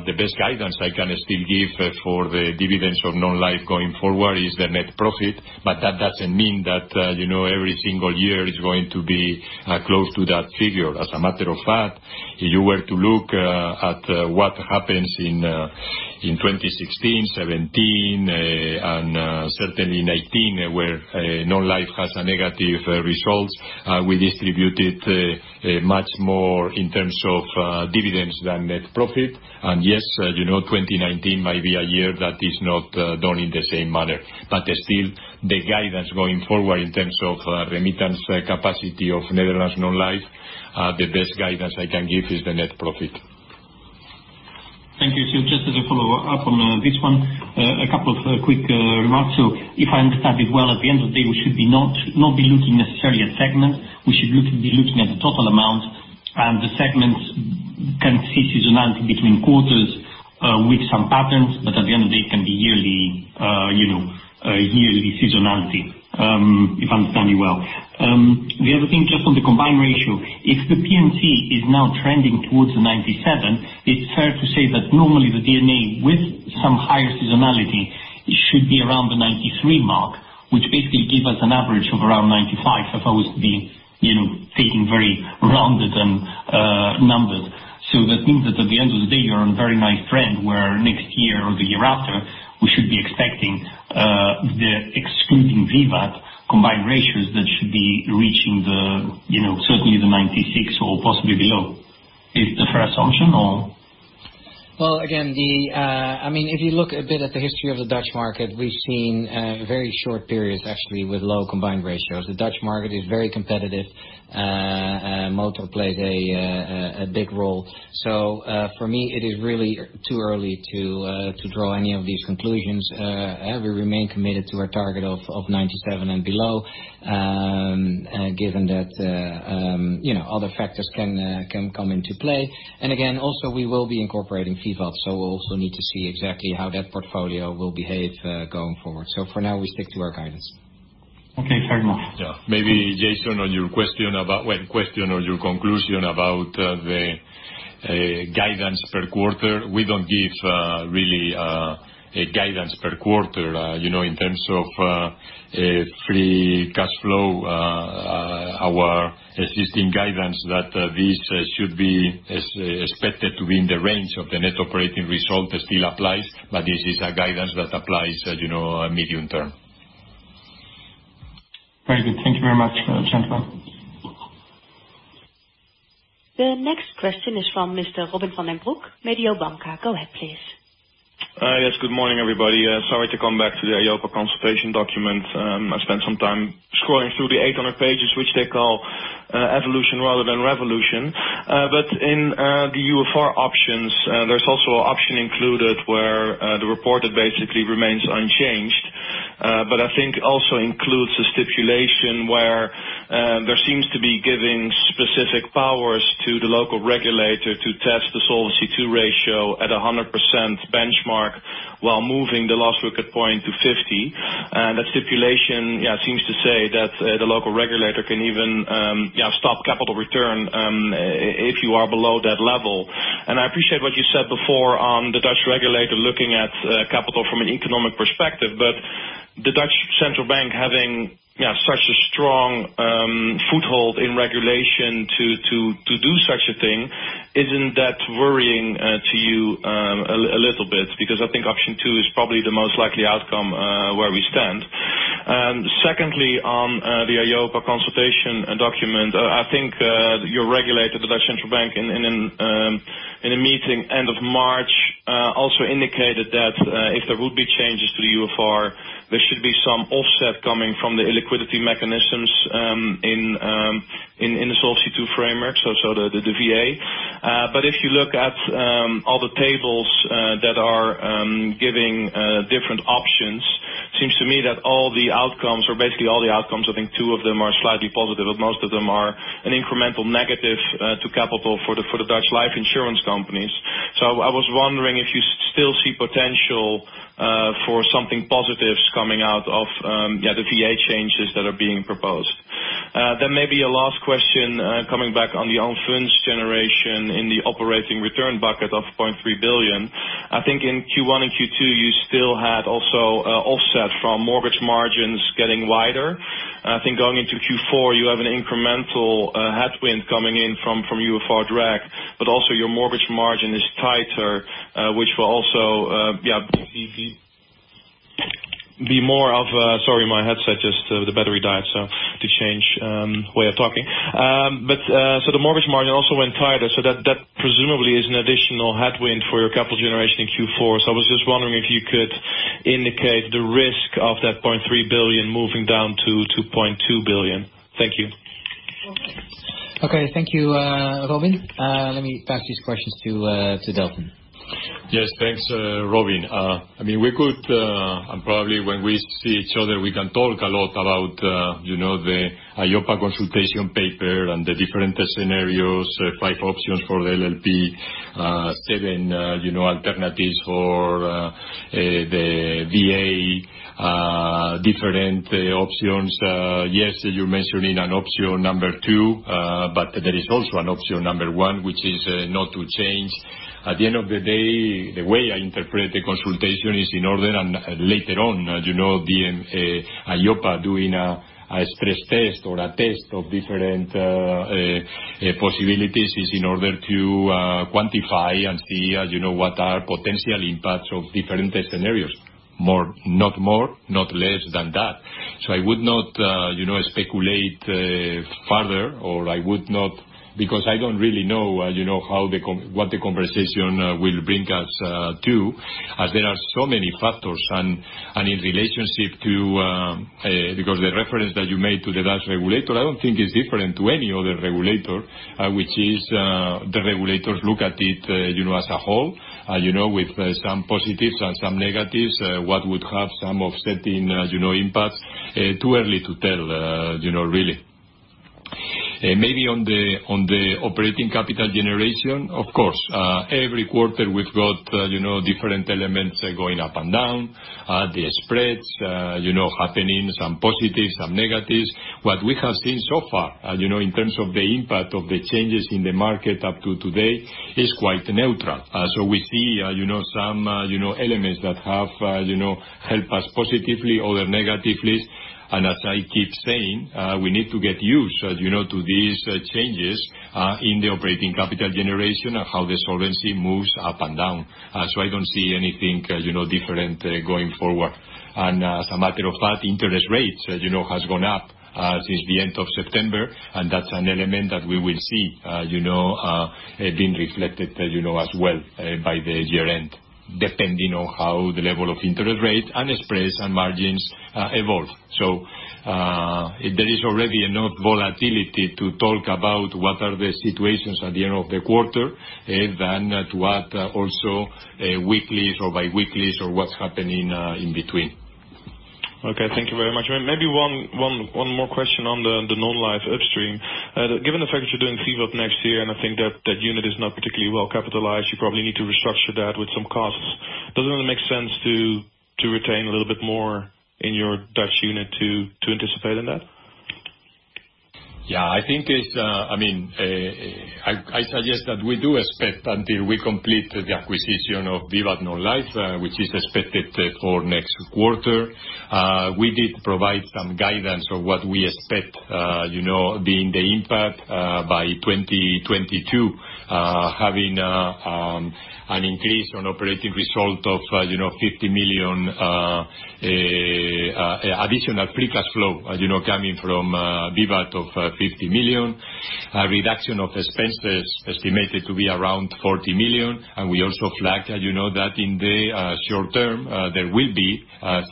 the best guidance I can still give for the dividends of Non-life going forward is the net profit. That doesn't mean that every single year is going to be close to that figure. As a matter of fact, if you were to look at what happens in 2016, 2017, and certainly 2019, where Non-life has a negative result. We distributed much more in terms of dividends than net profit. Yes, 2019 might be a year that is not done in the same manner. Still, the guidance going forward in terms of remittance capacity of Netherlands Non-life, the best guidance I can give is the net profit. Thank you. Just as a follow-up on this one, a couple of quick remarks. If I understand it well, at the end of the day, we should not be looking necessarily at segment. We should be looking at the total amount and the segments can see seasonality between quarters, with some patterns, but at the end of the day can be yearly seasonality, if I understand you well. The other thing, just on the combined ratio. If the P&C is now trending towards the 97, it is fair to say that normally the D&A with some higher seasonality should be around the 93 mark, which basically give us an average of around 95, if I was to be taking very rounded numbers. That means that at the end of the day, you're a very nice trend, where next year or the year after, we should be expecting the excluding VIVAT combined ratios that should be reaching certainly the 96 or possibly below. Is that fair assumption or? Well, again, if you look a bit at the history of the Dutch market, we've seen very short periods actually with low combined ratios. The Dutch market is very competitive. motor played a big role. For me, it is really too early to draw any of these conclusions. We remain committed to our target of 97% and below, given that other factors can come into play. Again, also we will be incorporating VIVAT, we'll also need to see exactly how that portfolio will behave going forward. For now, we stick to our guidance. Okay, thank you very much. Yeah. Maybe Jason, on your question or your conclusion about the guidance per quarter, we don't give really a guidance per quarter. In terms of free cash flow, our existing guidance that this should be expected to be in the range of the net operating result still applies, but this is a guidance that applies medium term. Very good. Thank you very much, gentlemen. The next question is from Mr. Robin van den Broek, Mediobanca. Go ahead, please. Yes, good morning, everybody. Sorry to come back to the EIOPA consultation document. I spent some time scrolling through the 800 pages, which they call evolution rather than revolution. In the UFR options, there's also an option included where the report basically remains unchanged. I think also includes a stipulation where there seems to be giving specific powers to the local regulator to test the Solvency II ratio at 100% benchmark while moving the Last Liquid Point to 50. That stipulation seems to say that the local regulator can even stop capital return if you are below that level. I appreciate what you said before on the Dutch regulator looking at capital from an economic perspective, but the De Nederlandsche Bank having such a strong foothold in regulation to do such a thing, isn't that worrying to you a little bit? I think option two is probably the most likely outcome where we stand. Secondly, on the EIOPA consultation document, I think your regulator, the De Nederlandsche Bank, in a meeting end of March, also indicated that if there would be changes to the UFR, there should be some offset coming from the illiquidity mechanisms in the Solvency II framework, so the VA. If you look at all the tables that are giving different options, seems to me that all the outcomes, or basically all the outcomes, I think two of them are slightly positive, but most of them are an incremental negative to capital for the Dutch life insurance companies. I was wondering if you still see potential for something positives coming out of the VA changes that are being proposed. Maybe a last question, coming back on the own funds generation in the operating return bucket of 0.3 billion. I think in Q1 and Q2, you still had also a offset from mortgage margins getting wider. I think going into Q4, you have an incremental headwind coming in from UFR drag, but also your mortgage margin is tighter, which will also, yeah, be more of a Sorry, my headset just the battery died, so to change way of talking. The mortgage margin also went tighter, so that presumably is an additional headwind for your capital generation in Q4. I was just wondering if you could indicate the risk of that 0.3 billion moving down to 2.2 billion. Thank you. Okay, thank you, Robin. Let me pass these questions to Delfin. Yes, thanks, Robin. We could, probably when we see each other, we can talk a lot about the EIOPA consultation paper and the different scenarios, five options for the LLP, seven alternatives for the VA, different options. Yes, you're mentioning an option number two, there is also an option number one, which is not to change. At the end of the day, the way I interpret the consultation is in order, and later on, EIOPA doing a stress test or a test of different possibilities is in order to quantify and see what are potential impacts of different scenarios. Not more, not less than that. I would not speculate further, or I would not, because I don't really know what the conversation will bring us to, as there are so many factors. In relationship to, because the reference that you made to the Dutch regulator, I don't think is different to any other regulator, which is the regulators look at it as a whole, with some positives and some negatives, what would have some offsetting impact. Too early to tell, really. Maybe on the operating capital generation, of course. Every quarter we've got different elements going up and down. The spreads happening, some positives, some negatives. What we have seen so far, in terms of the impact of the changes in the market up to today, is quite neutral. We see some elements that have helped us positively or negatively. As I keep saying, we need to get used to these changes in the operating capital generation of how the Solvency moves up and down. I don't see anything different going forward. As a matter of fact, interest rates has gone up since the end of September, and that's an element that we will see being reflected as well by the year-end, depending on how the level of interest rate and spreads and margins evolve. There is already enough volatility to talk about what are the situations at the end of the quarter than to what also weeklies or by weeklies or what's happening in between. Okay, thank you very much. Maybe one more question on the Non-life upstream. Given the fact that you're doing VIVAT up next year, and I think that that unit is not particularly well capitalized, you probably need to restructure that with some costs. Does it only make sense to retain a little bit more in your Dutch unit to anticipate on that? Yeah. I suggest that we do expect until we complete the acquisition of VIVAT Non-life, which is expected for next quarter. We did provide some guidance on what we expect being the impact by 2022, having an increase on operating result of 50 million additional free cash flow, coming from VIVAT of 50 million. A reduction of expenses estimated to be around 40 million. We also flagged that in the short term, there will be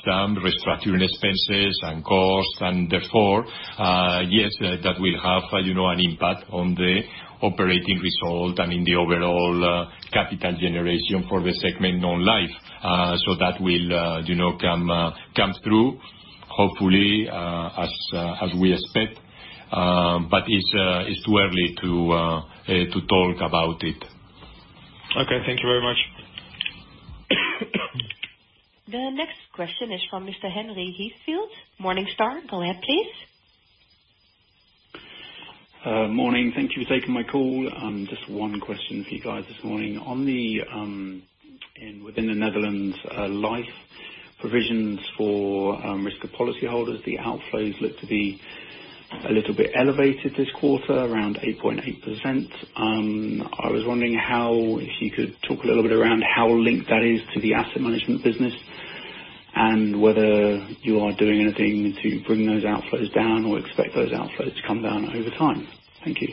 some restructuring expenses and costs, therefore, yes, that will have an impact on the operating result and in the overall capital generation for the segment Non-Life. That will come through, hopefully, as we expect. It is too early to talk about it. Okay. Thank you very much. The next question is from Mr. Henry Heathfield, Morningstar. Go ahead, please. Morning. Thank you for taking my call. Just one question for you guys this morning. Within the Netherlands Life provisions for risk of policy holders, the outflows look to be a little bit elevated this quarter, around 8.8%. I was wondering if you could talk a little bit around how linked that is to the Asset Management business, whether you are doing anything to bring those outflows down or expect those outflows to come down over time. Thank you.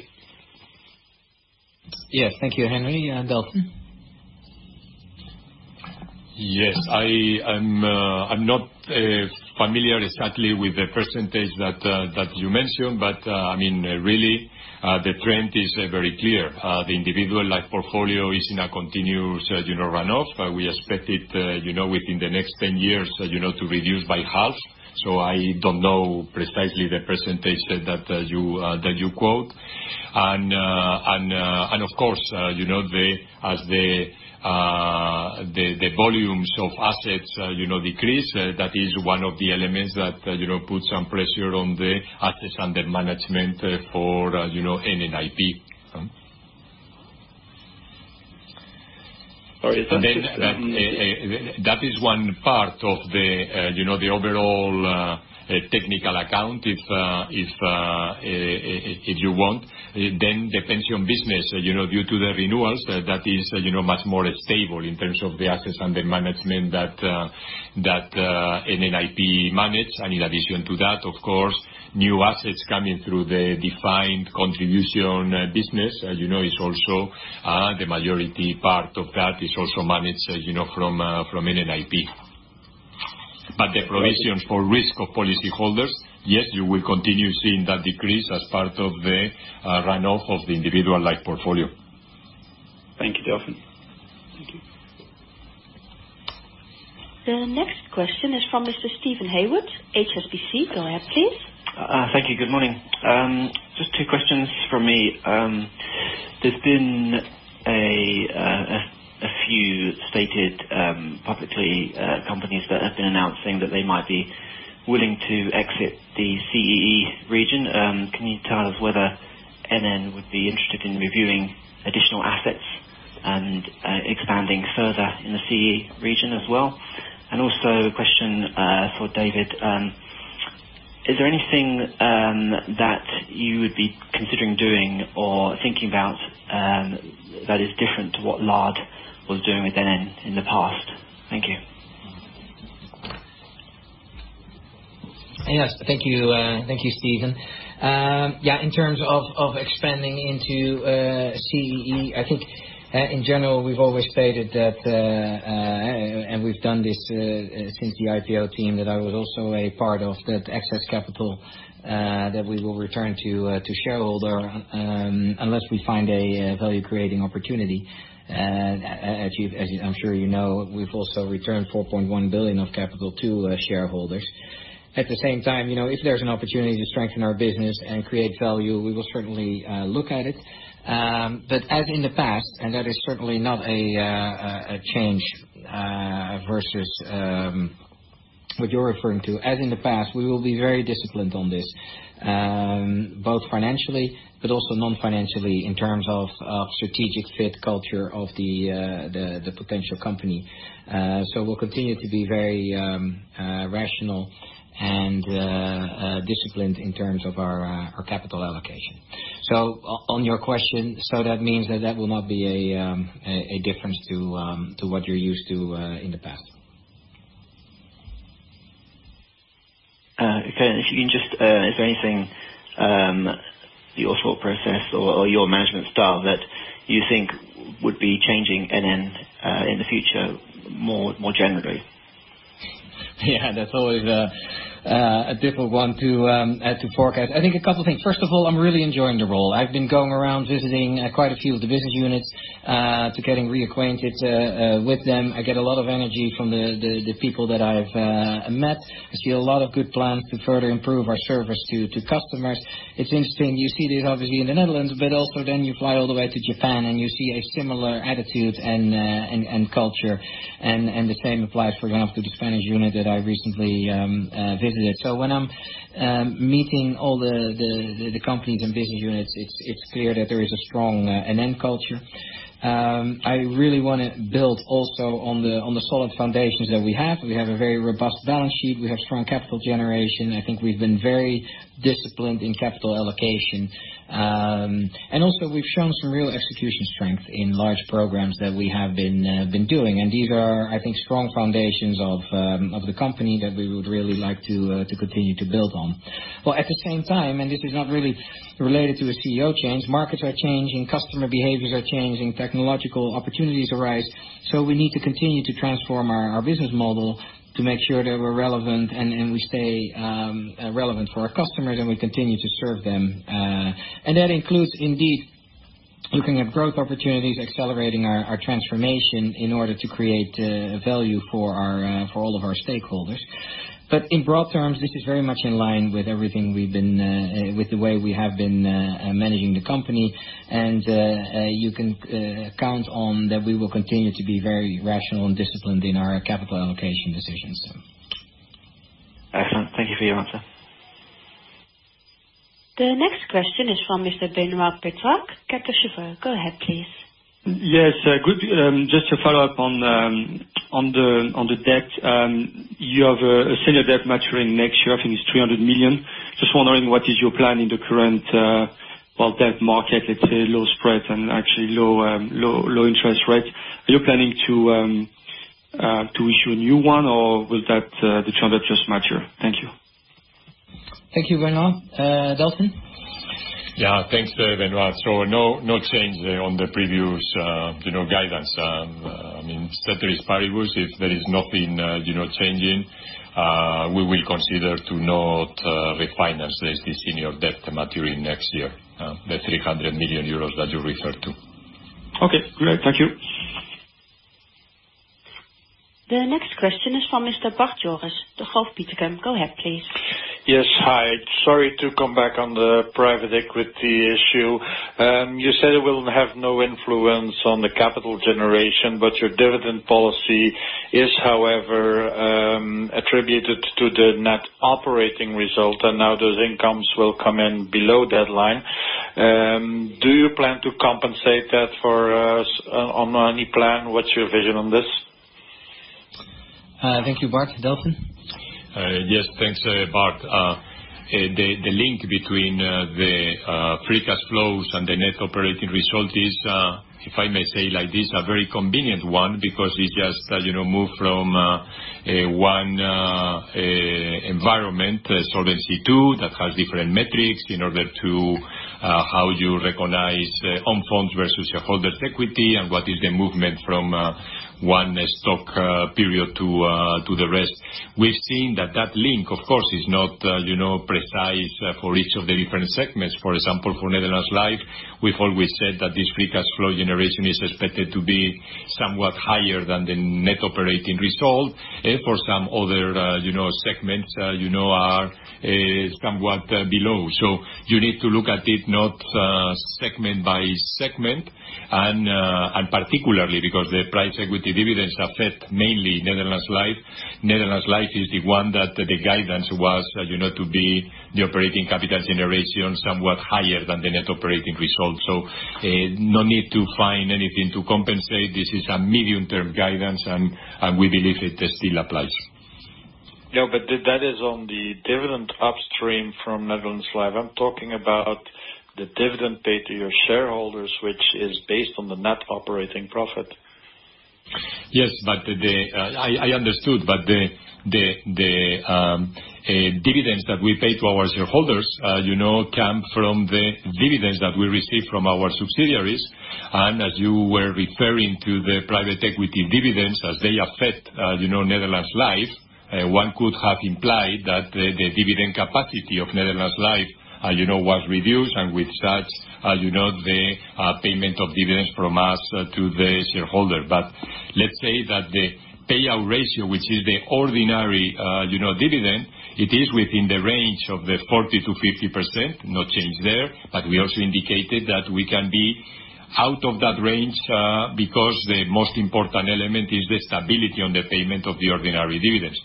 Yeah. Thank you, Henry. Delfin? Yes. I am not familiar exactly with the percentage that you mentioned, the trend is very clear. The individual Life portfolio is in a continuous runoff. We expect it within the next 10 years to reduce by half. I do not know precisely the percentage that you quote. Of course, as the volumes of assets decrease, that is one of the elements that puts some pressure on the assets under management for NN IP. Sorry. Is that? That is one part of the overall technical account, if you want. The pension business, due to the renewals, that is much more stable in terms of the assets under management that NN IP manage. In addition to that, of course, new assets coming through the defined contribution business. The majority part of that is also managed from NN IP. The provision for risk of policy holders, yes, you will continue seeing that decrease as part of the runoff of the individual Life portfolio. Thank you, Delfin. Thank you. The next question is from Mr. Steven Haywood, HSBC. Go ahead, please. Thank you. Good morning. Just two questions from me. There's been a few stated, publicly, companies that have been announcing that they might be willing to exit the CEE region. Can you tell us whether NN would be interested in reviewing additional assets and expanding further in the CEE region as well? Also a question for David. Is there anything that you would be considering doing or thinking about that is different to what Lard was doing with NN in the past? Thank you. Thank you, Steven. In terms of expanding into CEE, I think in general, we've always stated that, and we've done this since the IPO team that I was also a part of, that excess capital that we will return to shareholder, unless we find a value-creating opportunity. As I'm sure you know, we've also returned 4.1 billion of capital to shareholders. At the same time, if there's an opportunity to strengthen our business and create value, we will certainly look at it. As in the past, and that is certainly not a change versus what you're referring to, as in the past, we will be very disciplined on this, both financially but also non-financially in terms of strategic fit, culture of the potential company. We'll continue to be very rational and disciplined in terms of our capital allocation. On your question, that means that will not be a difference to what you're used to in the past. Okay. Is there anything, the offshore process or your management style, that you think would be changing NN in the future more generally? That's always a difficult one to forecast. I think a couple of things. First of all, I'm really enjoying the role. I've been going around visiting quite a few of the business units, to getting reacquainted with them. I get a lot of energy from the people that I've met. I see a lot of good plans to further improve our service to customers. It's interesting, you see this obviously in the Netherlands, but also then you fly all the way to Japan and you see a similar attitude and culture. The same applies for going off to the Spanish unit that I recently visited. When I'm meeting all the companies and business units, it's clear that there is a strong NN culture. I really want to build also on the solid foundations that we have. We have a very robust balance sheet. We have strong capital generation. I think we've been very disciplined in capital allocation. Also we've shown some real execution strength in large programs that we have been doing. These are, I think, strong foundations of the company that we would really like to continue to build on. While at the same time, and this is not really related to a CEO change, markets are changing, customer behaviors are changing, technological opportunities arise. We need to continue to transform our business model to make sure that we're relevant, and we stay relevant for our customers, and we continue to serve them. That includes, indeed, looking at growth opportunities, accelerating our transformation in order to create value for all of our stakeholders. In broad terms, this is very much in line with the way we have been managing the company. You can count on that we will continue to be very rational and disciplined in our capital allocation decisions. Excellent. Thank you for your answer. The next question is from Mr. Benoit Petrarque, Kepler Cheuvreux. Go ahead, please. Yes, good. Just to follow up on the debt. You have a senior debt maturing next year, I think it's 300 million. Just wondering, what is your plan in the current debt market, let's say low spread and actually low interest rates. Are you planning to issue a new one, or will that the current debt just mature? Thank you. Thank you, Benoit. Delfin? Yeah, thanks, Benoit. No change on the previous guidance. I mean, status is very good. There is nothing changing. We will consider to not refinance this senior debt maturing next year, the 300 million euros that you referred to. Okay, great. Thank you. The next question is from Mr. Bart Jooris, Degroof Petercam. Go ahead, please. Yes. Hi. Sorry to come back on the private equity issue. You said it will have no influence on the capital generation, but your dividend policy is, however, attributed to the net operating result, and now those incomes will come in below that line. Do you plan to compensate that for us on any plan? What's your vision on this? Thank you, Bart. Delfin? Yes, thanks, Bart. The link between the free cash flows and the net operating result is, if I may say like this, a very convenient one because we just move from one environment, Solvency II, that has different metrics in order to how you recognize own funds versus shareholders' equity and what is the movement from one stock period to the rest. We've seen that link, of course, is not precise for each of the different segments. For example, for Netherlands Life, we've always said that this free cash flow generation is expected to be somewhat higher than the net operating result. For some other segments are somewhat below. You need to look at it not segment by segment, and particularly because the private equity dividends affect mainly Netherlands Life. Netherlands Life is the one that the guidance was to be the operating capital generation somewhat higher than the net operating result. No need to find anything to compensate. This is a medium-term guidance, and we believe it still applies. Yeah, that is on the dividend upstream from Netherlands Life. I'm talking about the dividend paid to your shareholders, which is based on the net operating profit. Yes. I understood. The dividends that we pay to our shareholders come from the dividends that we receive from our subsidiaries. As you were referring to the private equity dividends as they affect Netherlands Life, one could have implied that the dividend capacity of Netherlands Life was reduced, and with that, the payment of dividends from us to the shareholder. Let's say that the payout ratio, which is the ordinary dividend, it is within the range of the 40%-50%, no change there. We also indicated that we can be out of that range because the most important element is the stability on the payment of the ordinary dividends.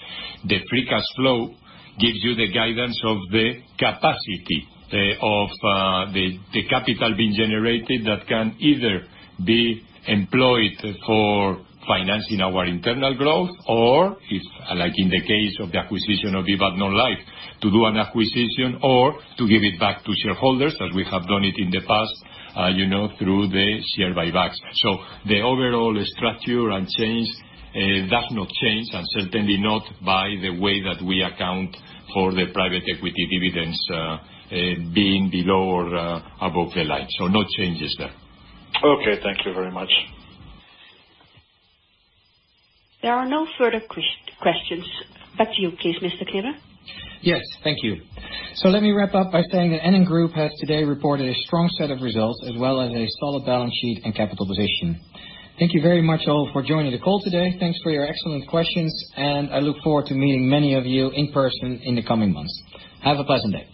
The free cash flow gives you the guidance of the capacity of the capital being generated that can either be employed for financing our internal growth or, if like in the case of the acquisition of VIVAT Non-life, to do an acquisition or to give it back to shareholders as we have done it in the past, through the share buybacks. The overall structure does not change, and certainly not by the way that we account for the private equity dividends being below or above the line. No changes there. Okay. Thank you very much. There are no further questions. Back to you, please, Mr. Knibbe. Yes. Thank you. Let me wrap up by saying that NN Group has today reported a strong set of results, as well as a solid balance sheet and capital position. Thank you very much all for joining the call today. Thanks for your excellent questions. I look forward to meeting many of you in person in the coming months. Have a pleasant day.